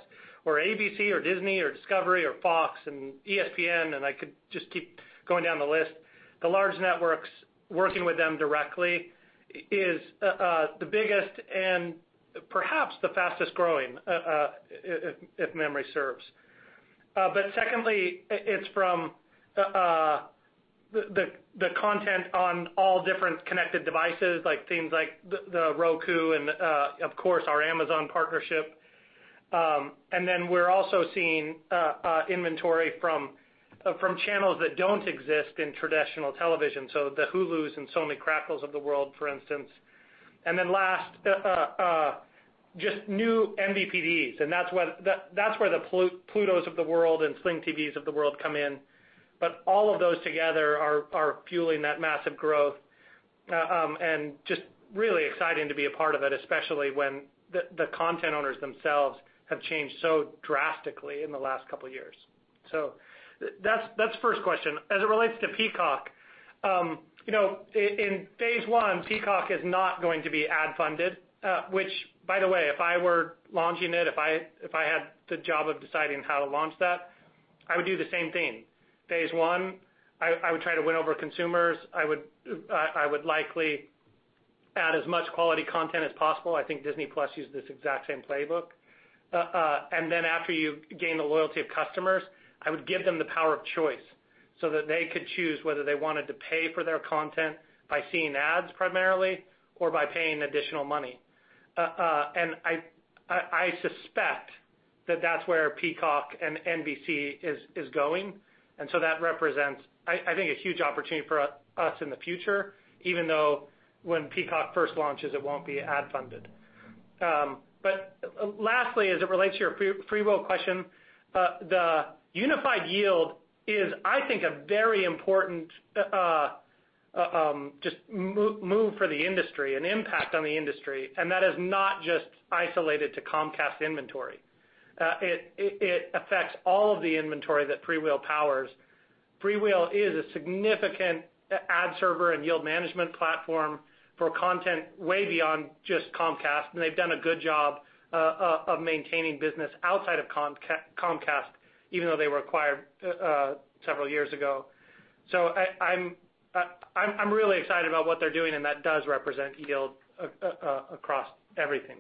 Speaker 3: or ABC or Disney or Discovery or Fox and ESPN, and I could just keep going down the list. The large networks, working with them directly is the biggest and perhaps the fastest-growing, if memory serves. Secondly, the content on all different connected devices, things like Roku and, of course, our Amazon partnership. We're also seeing inventory from channels that don't exist in traditional television, so Hulu and Sony Crackle of the world, for instance. Last, just new MVPDs. That's where Pluto TV of the world and Sling TV of the world come in. All of those together are fueling that massive growth, and just really exciting to be a part of it, especially when the content owners themselves have changed so drastically in the last couple of years. That's the first question. As it relates to Peacock, in phase I, Peacock is not going to be ad-funded. Which, by the way, if I were launching it, if I had the job of deciding how to launch that, I would do the same thing. Phase I, I would try to win over consumers. I would likely add as much quality content as possible. I think Disney+ used this exact same playbook. Then after you gain the loyalty of customers, I would give them the power of choice so that they could choose whether they wanted to pay for their content by seeing ads primarily or by paying additional money. I suspect that that's where Peacock and NBC is going, so that represents, I think, a huge opportunity for us in the future, even though when Peacock first launches, it won't be ad-funded. Lastly, as it relates to your FreeWheel question, the Unified Yield is, I think, a very important move for the industry and impact on the industry, that is not just isolated to Comcast inventory. It affects all of the inventory that FreeWheel powers. FreeWheel is a significant ad server and yield management platform for content way beyond just Comcast, and they've done a good job of maintaining business outside of Comcast, even though they were acquired several years ago. I'm really excited about what they're doing, and that does represent yield across everything.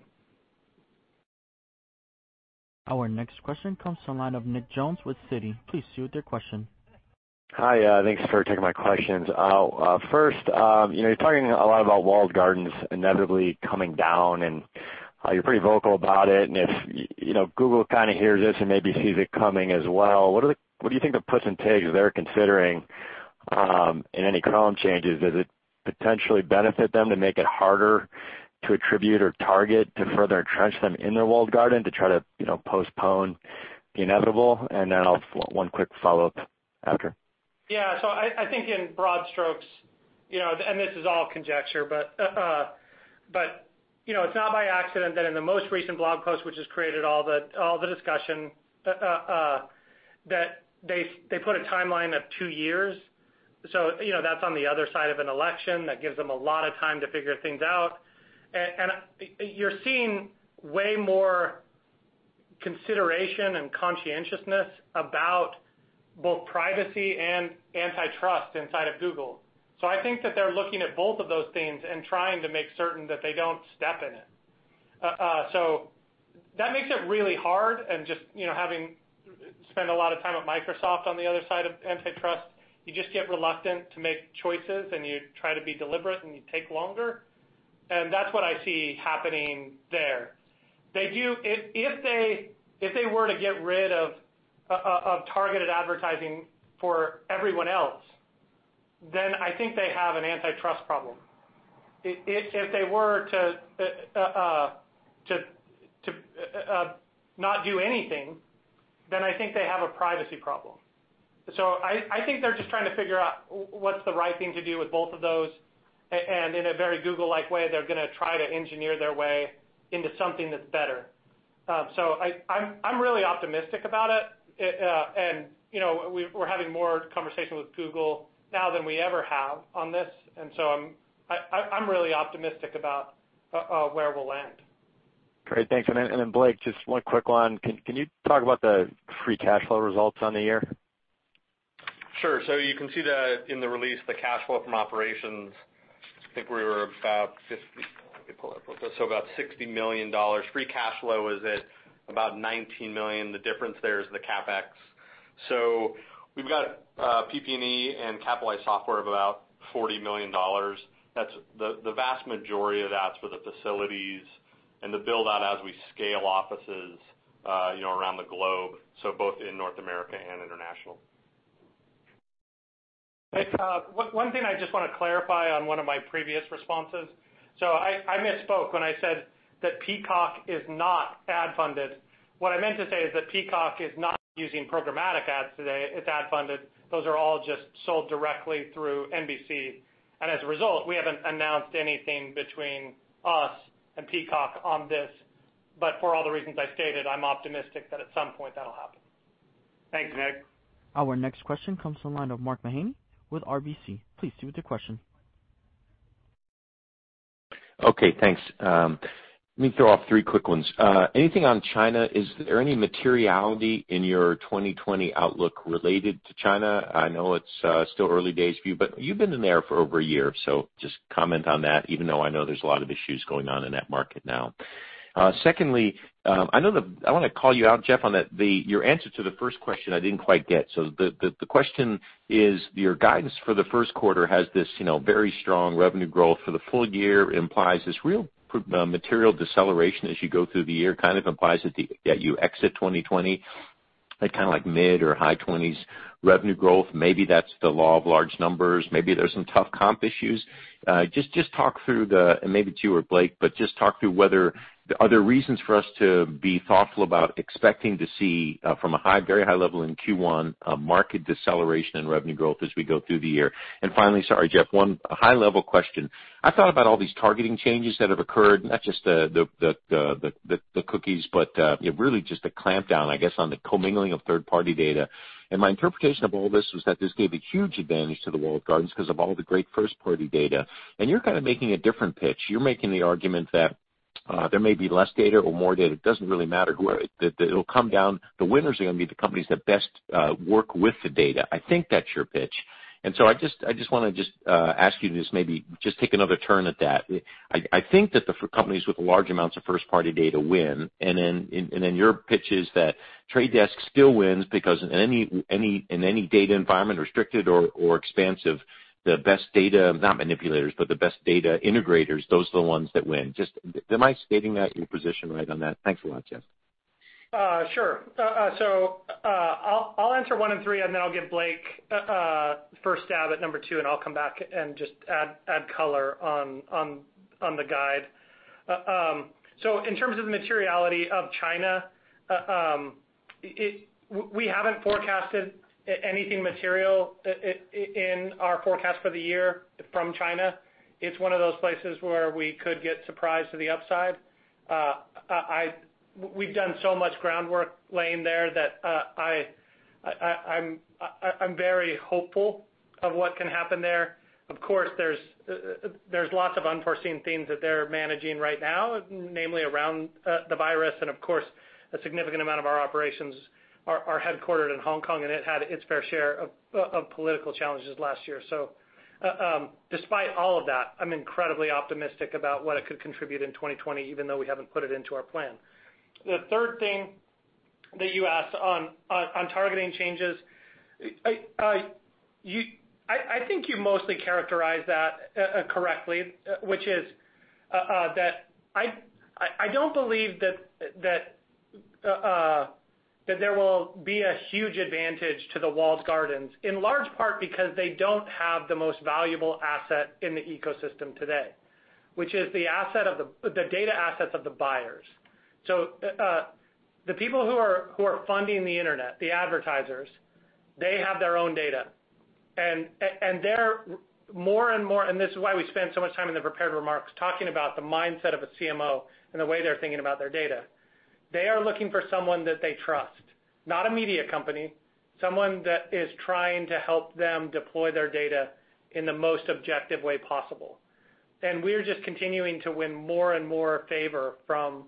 Speaker 1: Our next question comes from the line of Nick Jones with Citi. Please proceed with your question.
Speaker 8: Hi. Thanks for taking my questions. First, you're talking a lot about walled gardens inevitably coming down, and you're pretty vocal about it. If Google kind of hears this and maybe sees it coming as well, what do you think the push and pull is they're considering in any column changes? Does it potentially benefit them to make it harder to attribute or target to further entrench them in their walled garden to try to postpone the inevitable? I'll have one quick follow-up after.
Speaker 3: Yeah. I think in broad strokes, and this is all conjecture, but it's not by accident that in the most recent blog post, which has created all the discussion, that they put a timeline of two years. That's on the other side of an election. That gives them a lot of time to figure things out. You're seeing way more consideration and conscientiousness about both privacy and antitrust inside of Google. I think that they're looking at both of those things and trying to make certain that they don't step in it. That makes it really hard and just having spent a lot of time at Microsoft on the other side of antitrust, you just get reluctant to make choices and you try to be deliberate and you take longer. That's what I see happening there. If they were to get rid of targeted advertising for everyone else, then I think they have an antitrust problem. If they were to not do anything, then I think they have a privacy problem. I think they're just trying to figure out what's the right thing to do with both of those, and in a very Google-like way, they're going to try to engineer their way into something that's better. I'm really optimistic about it. We're having more conversations with Google now than we ever have on this. I'm really optimistic about where we'll land.
Speaker 8: Great. Thanks. Then Blake, just one quick one. Can you talk about the free cash flow results on the year?
Speaker 4: Sure. You can see that in the release, the cash flow from operations. Let me pull it up real quick. About $60 million. Free cash flow is at about $19 million. The difference there is the CapEx. We've got PP&E and capitalized software of about $40 million. The vast majority of that's for the facilities and the build-out as we scale offices around the globe, so both in North America and international.
Speaker 3: Nick, one thing I just want to clarify on one of my previous responses. I misspoke when I said that Peacock is not ad-funded. What I meant to say is that Peacock is not using programmatic ads today. It's ad-funded. Those are all just sold directly through NBC. As a result, we haven't announced anything between us and Peacock on this. For all the reasons I stated, I'm optimistic that at some point that'll happen. Thanks, Nick.
Speaker 1: Our next question comes from the line of Mark Mahaney with RBC. Please proceed with your question.
Speaker 9: Okay, thanks. Let me throw off three quick ones. Anything on China? Is there any materiality in your 2020 outlook related to China? I know it's still early days for you, but you've been in there for over a year, so just comment on that, even though I know there's a lot of issues going on in that market now. Secondly, I want to call you out, Jeff, on your answer to the first question I didn't quite get. The question is your guidance for the first quarter has this very strong revenue growth for the full year, implies this real material deceleration as you go through the year, kind of implies that you exit 2020, kind of like mid or high twenties revenue growth. Maybe that's the law of large numbers. Maybe there's some tough comp issues. Just talk through the, and maybe to you or Blake, but just talk through whether are there reasons for us to be thoughtful about expecting to see from a very high level in Q1, a market deceleration in revenue growth as we go through the year. Finally, sorry, Jeff, one high-level question. I thought about all these targeting changes that have occurred, not just the cookies, but really just a clampdown, I guess, on the commingling of third-party data. My interpretation of all this was that this gave a huge advantage to the walled gardens because of all the great first-party data. You're kind of making a different pitch. You're making the argument that there may be less data or more data, it doesn't really matter. It'll come down, the winners are going to be the companies that best work with the data. I think that's your pitch. I just want to just ask you just maybe just take another turn at that. I think that the companies with large amounts of first-party data win, and then your pitch is that Trade Desk still wins because in any data environment, restricted or expansive, the best data, not manipulators, but the best data integrators, those are the ones that win. Am I stating that your position right on that? Thanks a lot, Jeff.
Speaker 3: Sure. I'll answer one and three, and then I'll give Blake first stab at number two, and I'll come back and just add color on the guide. In terms of the materiality of China, we haven't forecasted anything material in our forecast for the year from China. It's one of those places where we could get surprised to the upside. We've done so much groundwork laying there that I'm very hopeful of what can happen there. Of course, there's lots of unforeseen things that they're managing right now, namely around the virus. Of course, a significant amount of our operations are headquartered in Hong Kong, and it had its fair share of political challenges last year. Despite all of that, I'm incredibly optimistic about what it could contribute in 2020, even though we haven't put it into our plan. The third thing that you asked on targeting changes. I think you mostly characterized that correctly, which is that I don't believe that there will be a huge advantage to the walled gardens, in large part because they don't have the most valuable asset in the ecosystem today, which is the data assets of the buyers. The people who are funding the Internet, the advertisers, they have their own data, and they're more and more, and this is why we spend so much time in the prepared remarks talking about the mindset of a CMO and the way they're thinking about their data. They are looking for someone that they trust, not a media company, someone that is trying to help them deploy their data in the most objective way possible. We're just continuing to win more and more favor from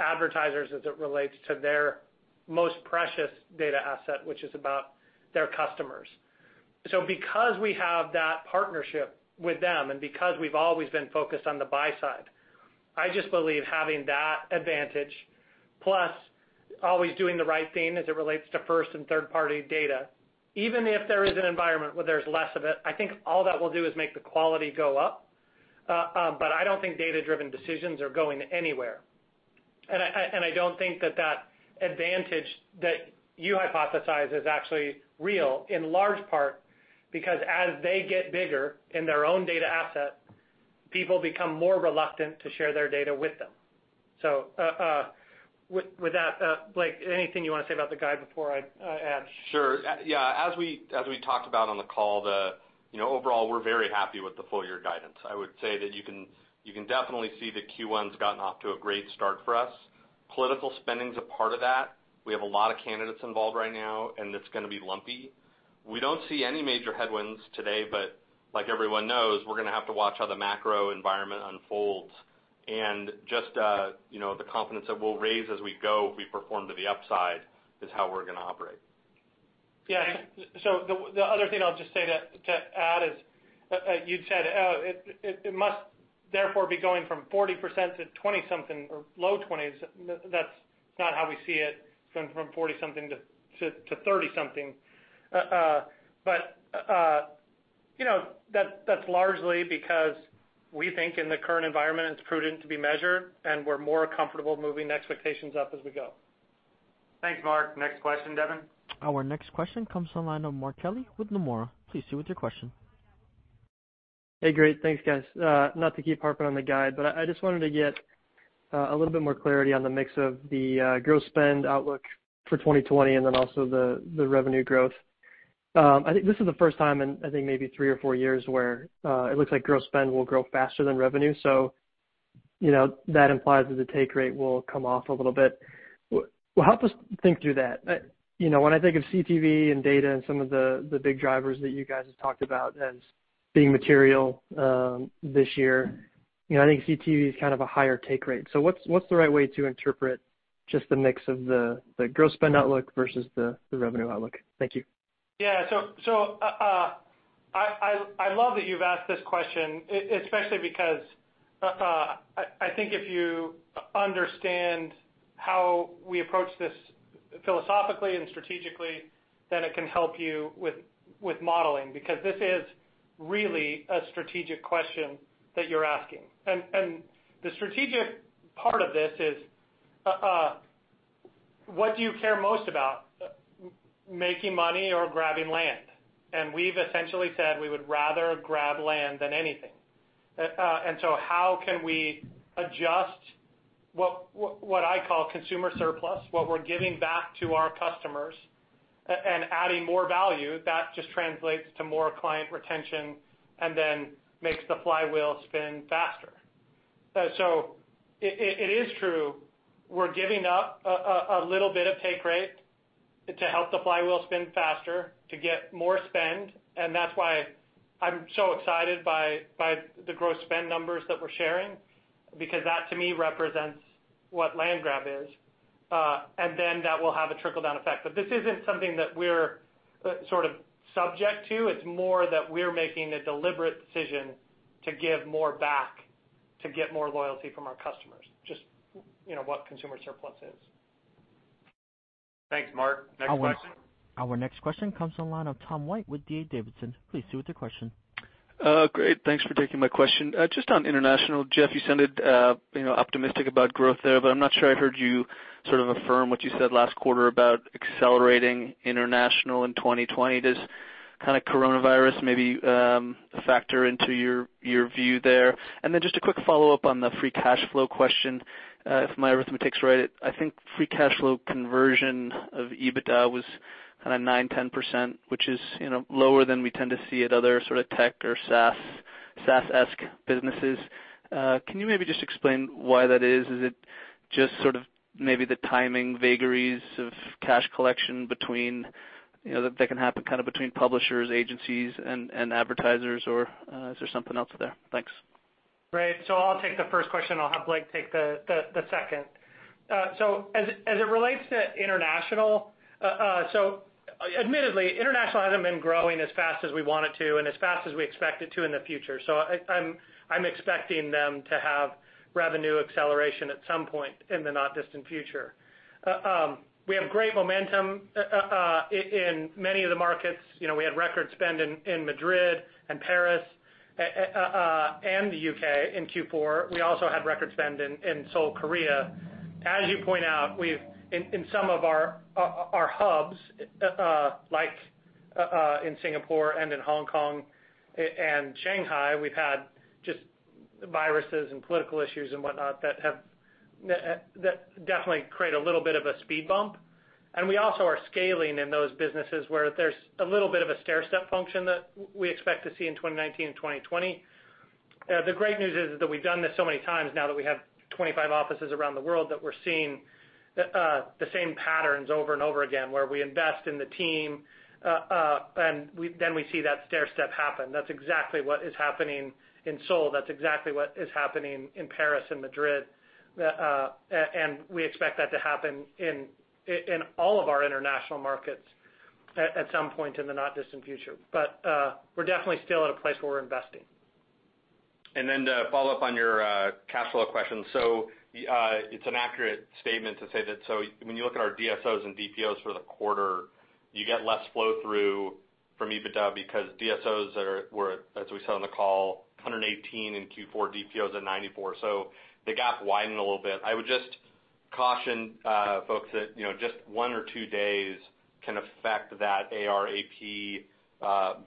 Speaker 3: advertisers as it relates to their most precious data asset, which is about their customers. Because we have that partnership with them, and because we've always been focused on the buy side, I just believe having that advantage, plus always doing the right thing as it relates to first and third-party data, even if there is an environment where there's less of it, I think all that will do is make the quality go up. I don't think data-driven decisions are going anywhere. I don't think that that advantage that you hypothesize is actually real, in large part because as they get bigger in their own data asset, people become more reluctant to share their data with them. With that, Blake, anything you want to say about the guide before I add?
Speaker 4: Sure. Yeah. As we talked about on the call, overall we're very happy with the full year guidance. I would say that you can definitely see that Q1's gotten off to a great start for us. Political spending's a part of that. We have a lot of candidates involved right now, and it's going to be lumpy. We don't see any major headwinds today, but like everyone knows, we're going to have to watch how the macro environment unfolds and just the confidence that we'll raise as we go, we perform to the upside is how we're going to operate.
Speaker 3: Yeah. The other thing I'll just say to add is, you'd said it must therefore be going from 40% to 20% something or low 20s. That's not how we see it going from 40% something to 30% something. That's largely because we think in the current environment, it's prudent to be measured, and we're more comfortable moving expectations up as we go.
Speaker 2: Thanks, Mark. Next question, Devin.
Speaker 1: Our next question comes from the line of Mark Kelley with Nomura. Please proceed with your question.
Speaker 10: Hey, great. Thanks, guys. Not to keep harping on the guide, I just wanted to get a little bit more clarity on the mix of the gross spend outlook for 2020 and then also the revenue growth. I think this is the first time in, I think maybe three or four years where it looks like gross spend will grow faster than revenue. That implies that the take rate will come off a little bit. Well, help us think through that. When I think of CTV and data and some of the big drivers that you guys have talked about as being material this year, I think CTV is kind of a higher take rate. What's the right way to interpret just the mix of the gross spend outlook versus the revenue outlook? Thank you.
Speaker 3: I love that you've asked this question, especially because I think if you understand how we approach this philosophically and strategically, then it can help you with modeling, because this is really a strategic question that you're asking. The strategic part of this is, what do you care most about? Making money or grabbing land? We've essentially said we would rather grab land than anything. How can we adjust what I call consumer surplus, what we're giving back to our customers and adding more value, that just translates to more client retention and then makes the flywheel spin faster. It is true, we're giving up a little bit of take rate to help the flywheel spin faster to get more spend, and that's why I'm so excited by the gross spend numbers that we're sharing, because that, to me, represents what land grab is. That will have a trickle-down effect. This isn't something that we're sort of subject to, it's more that we're making a deliberate decision to give more back, to get more loyalty from our customers, just what consumer surplus is.
Speaker 2: Thanks, Mark. Next question.
Speaker 1: Our next question comes to the line of Tom White with DA Davidson. Please proceed with your question.
Speaker 11: Great. Thanks for taking my question. Just on international, Jeff, you sounded optimistic about growth there, but I'm not sure I heard you sort of affirm what you said last quarter about accelerating international in 2020. Does kind of coronavirus maybe factor into your view there? Just a quick follow-up on the free cash flow question. If my arithmetic's right, I think free cash flow conversion of EBITDA was kind of 9%, 10%, which is lower than we tend to see at other sort of tech or SaaS-esque businesses. Can you maybe just explain why that is? Is it just sort of maybe the timing vagaries of cash collection that can happen kind of between publishers, agencies, and advertisers, or is there something else there? Thanks.
Speaker 3: Great. I'll take the first question, and I'll have Blake take the second. As it relates to international, admittedly, international hasn't been growing as fast as we want it to and as fast as we expect it to in the future. I'm expecting them to have revenue acceleration at some point in the not-distant future. We have great momentum in many of the markets. We had record spend in Madrid and Paris, and the U.K. in Q4. We also had record spend in Seoul, Korea. As you point out, in some of our hubs, like in Singapore and in Hong Kong and Shanghai, we've had just viruses and political issues and whatnot that definitely create a little bit of a speed bump. We also are scaling in those businesses where there's a little bit of a stairstep function that we expect to see in 2019 and 2020. The great news is that we've done this so many times now that we have 25 offices around the world that we're seeing the same patterns over and over again, where we invest in the team, and then we see that stairstep happen. That's exactly what is happening in Seoul. That's exactly what is happening in Paris and Madrid. We expect that to happen in all of our international markets at some point in the not-distant future. We're definitely still at a place where we're investing.
Speaker 4: To follow up on your cash flow question. It's an accurate statement to say that when you look at our DSOs and DPOs for the quarter, you get less flow-through from EBITDA because DSOs are, as we said on the call, 118 in Q4, DPOs at 94. The gap widened a little bit. I would just caution folks that just one or two days can affect that ARAP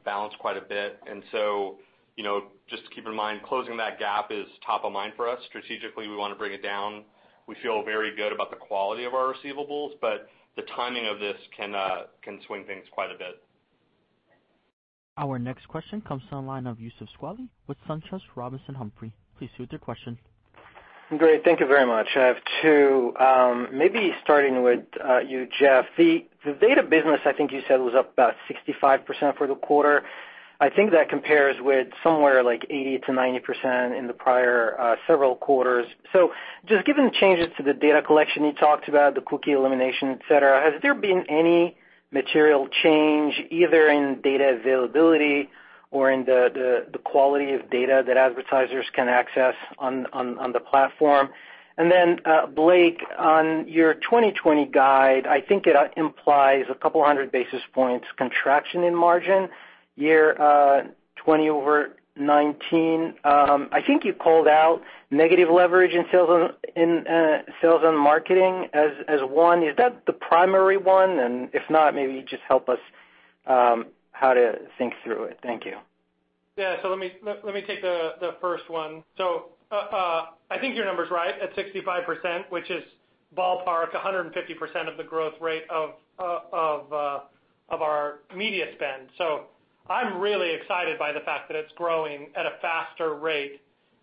Speaker 4: balance quite a bit. Just keep in mind, closing that gap is top of mind for us. Strategically, we want to bring it down. We feel very good about the quality of our receivables, but the timing of this can swing things quite a bit.
Speaker 1: Our next question comes to the line of Youssef Squali with SunTrust Robinson Humphrey. Please proceed with your question.
Speaker 12: Great. Thank you very much. I have two. Starting with you, Jeff. The data business, I think you said, was up about 65% for the quarter. I think that compares with somewhere like 80%-90% in the prior several quarters. Just given the changes to the data collection you talked about, the cookie elimination, et cetera, has there been any material change either in data availability or in the quality of data that advertisers can access on the platform? Blake, on your 2020 guide, I think it implies a couple of hundred basis points contraction in margin year 2020 over 2019. I think you called out negative leverage in sales and marketing as one. Is that the primary one? If not, maybe just help us how to think through it. Thank you.
Speaker 3: Let me take the first one. I think your number is right at 65%, which is ballpark 150% of the growth rate of our media spend. I am really excited by the fact that it is growing at a faster rate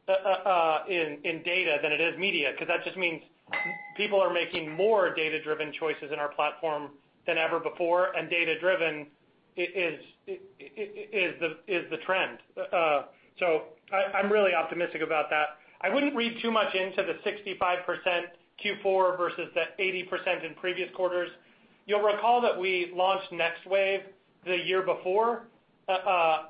Speaker 3: in data than it is media, because that just means people are making more data-driven choices in our platform than ever before, and data-driven is the trend. I am really optimistic about that. I would not read too much into the 65% Q4 versus the 80% in previous quarters. You will recall that we launched Next Wave the year before. As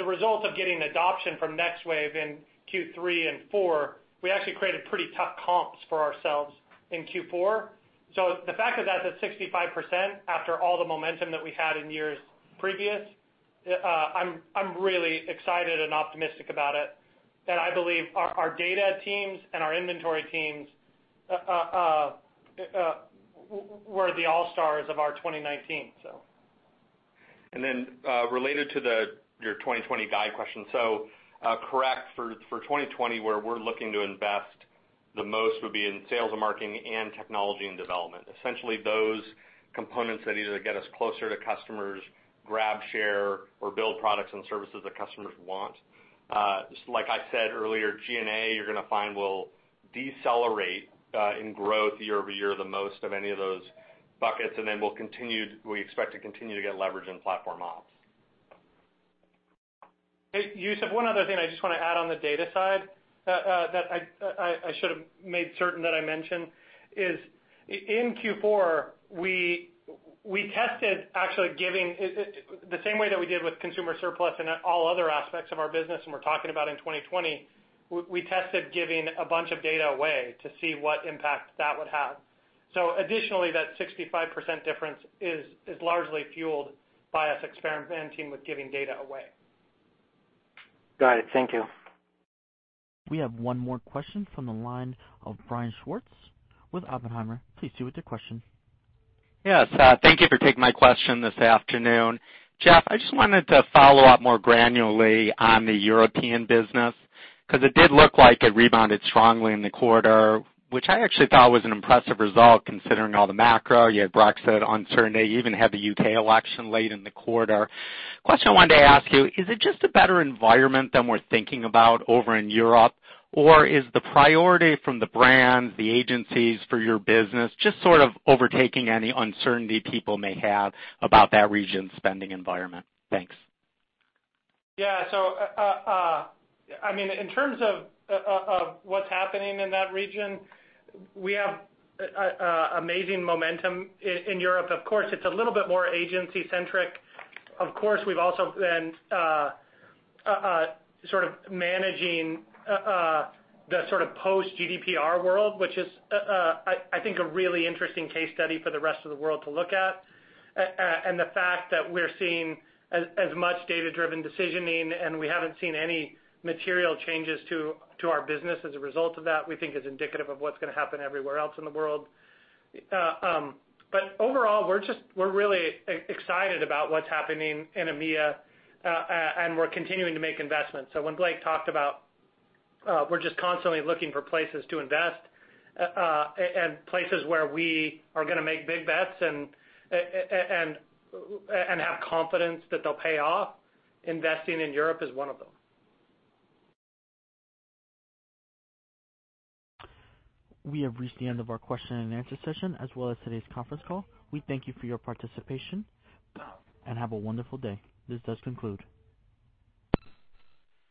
Speaker 3: a result of getting adoption from Next Wave in Q3 and Q4, we actually created pretty tough comps for ourselves in Q4. The fact that that is at 65% after all the momentum that we had in years previous, I am really excited and optimistic about it. I believe our data teams and our inventory teams were the all-stars of our 2019.
Speaker 4: Related to your 2020 guide question, correct, for 2020, where we're looking to invest the most would be in sales and marketing and technology and development. Essentially those components that either get us closer to customers, grab share, or build products and services that customers want. Like I said earlier, G&A, you're going to find will decelerate in growth year-over-year the most of any of those buckets. Then we expect to continue to get leverage in platform ops.
Speaker 3: Youssef, one other thing I just want to add on the data side that I should have made certain that I mentioned is in Q4, we tested actually giving the same way that we did with consumer surplus and all other aspects of our business and we're talking about in 2020, we tested giving a bunch of data away to see what impact that would have. Additionally, that 65% difference is largely fueled by us experimenting with giving data away.
Speaker 12: Got it. Thank you.
Speaker 1: We have one more question from the line of Brian Schwartz with Oppenheimer. Please proceed with your question.
Speaker 13: Yes. Thank you for taking my question this afternoon. Jeff, I just wanted to follow up more granularly on the European business, because it did look like it rebounded strongly in the quarter, which I actually thought was an impressive result considering all the macro. You had Brexit uncertainty. You even had the U.K. election late in the quarter. Question I wanted to ask you, is it just a better environment than we're thinking about over in Europe? Or is the priority from the brands, the agencies for your business just sort of overtaking any uncertainty people may have about that region's spending environment? Thanks.
Speaker 3: Yeah. In terms of what's happening in that region, we have amazing momentum in Europe. Of course, it's a little bit more agency-centric. Of course, we've also been sort of managing the sort of post GDPR world, which is, I think, a really interesting case study for the rest of the world to look at. The fact that we're seeing as much data-driven decisioning, and we haven't seen any material changes to our business as a result of that, we think is indicative of what's going to happen everywhere else in the world. Overall, we're really excited about what's happening in EMEA, and we're continuing to make investments. When Blake talked about we're just constantly looking for places to invest, and places where we are going to make big bets and have confidence that they'll pay off, investing in Europe is one of them.
Speaker 1: We have reached the end of our question-and-answer session, as well as today's conference call. We thank you for your participation, and have a wonderful day. This does conclude.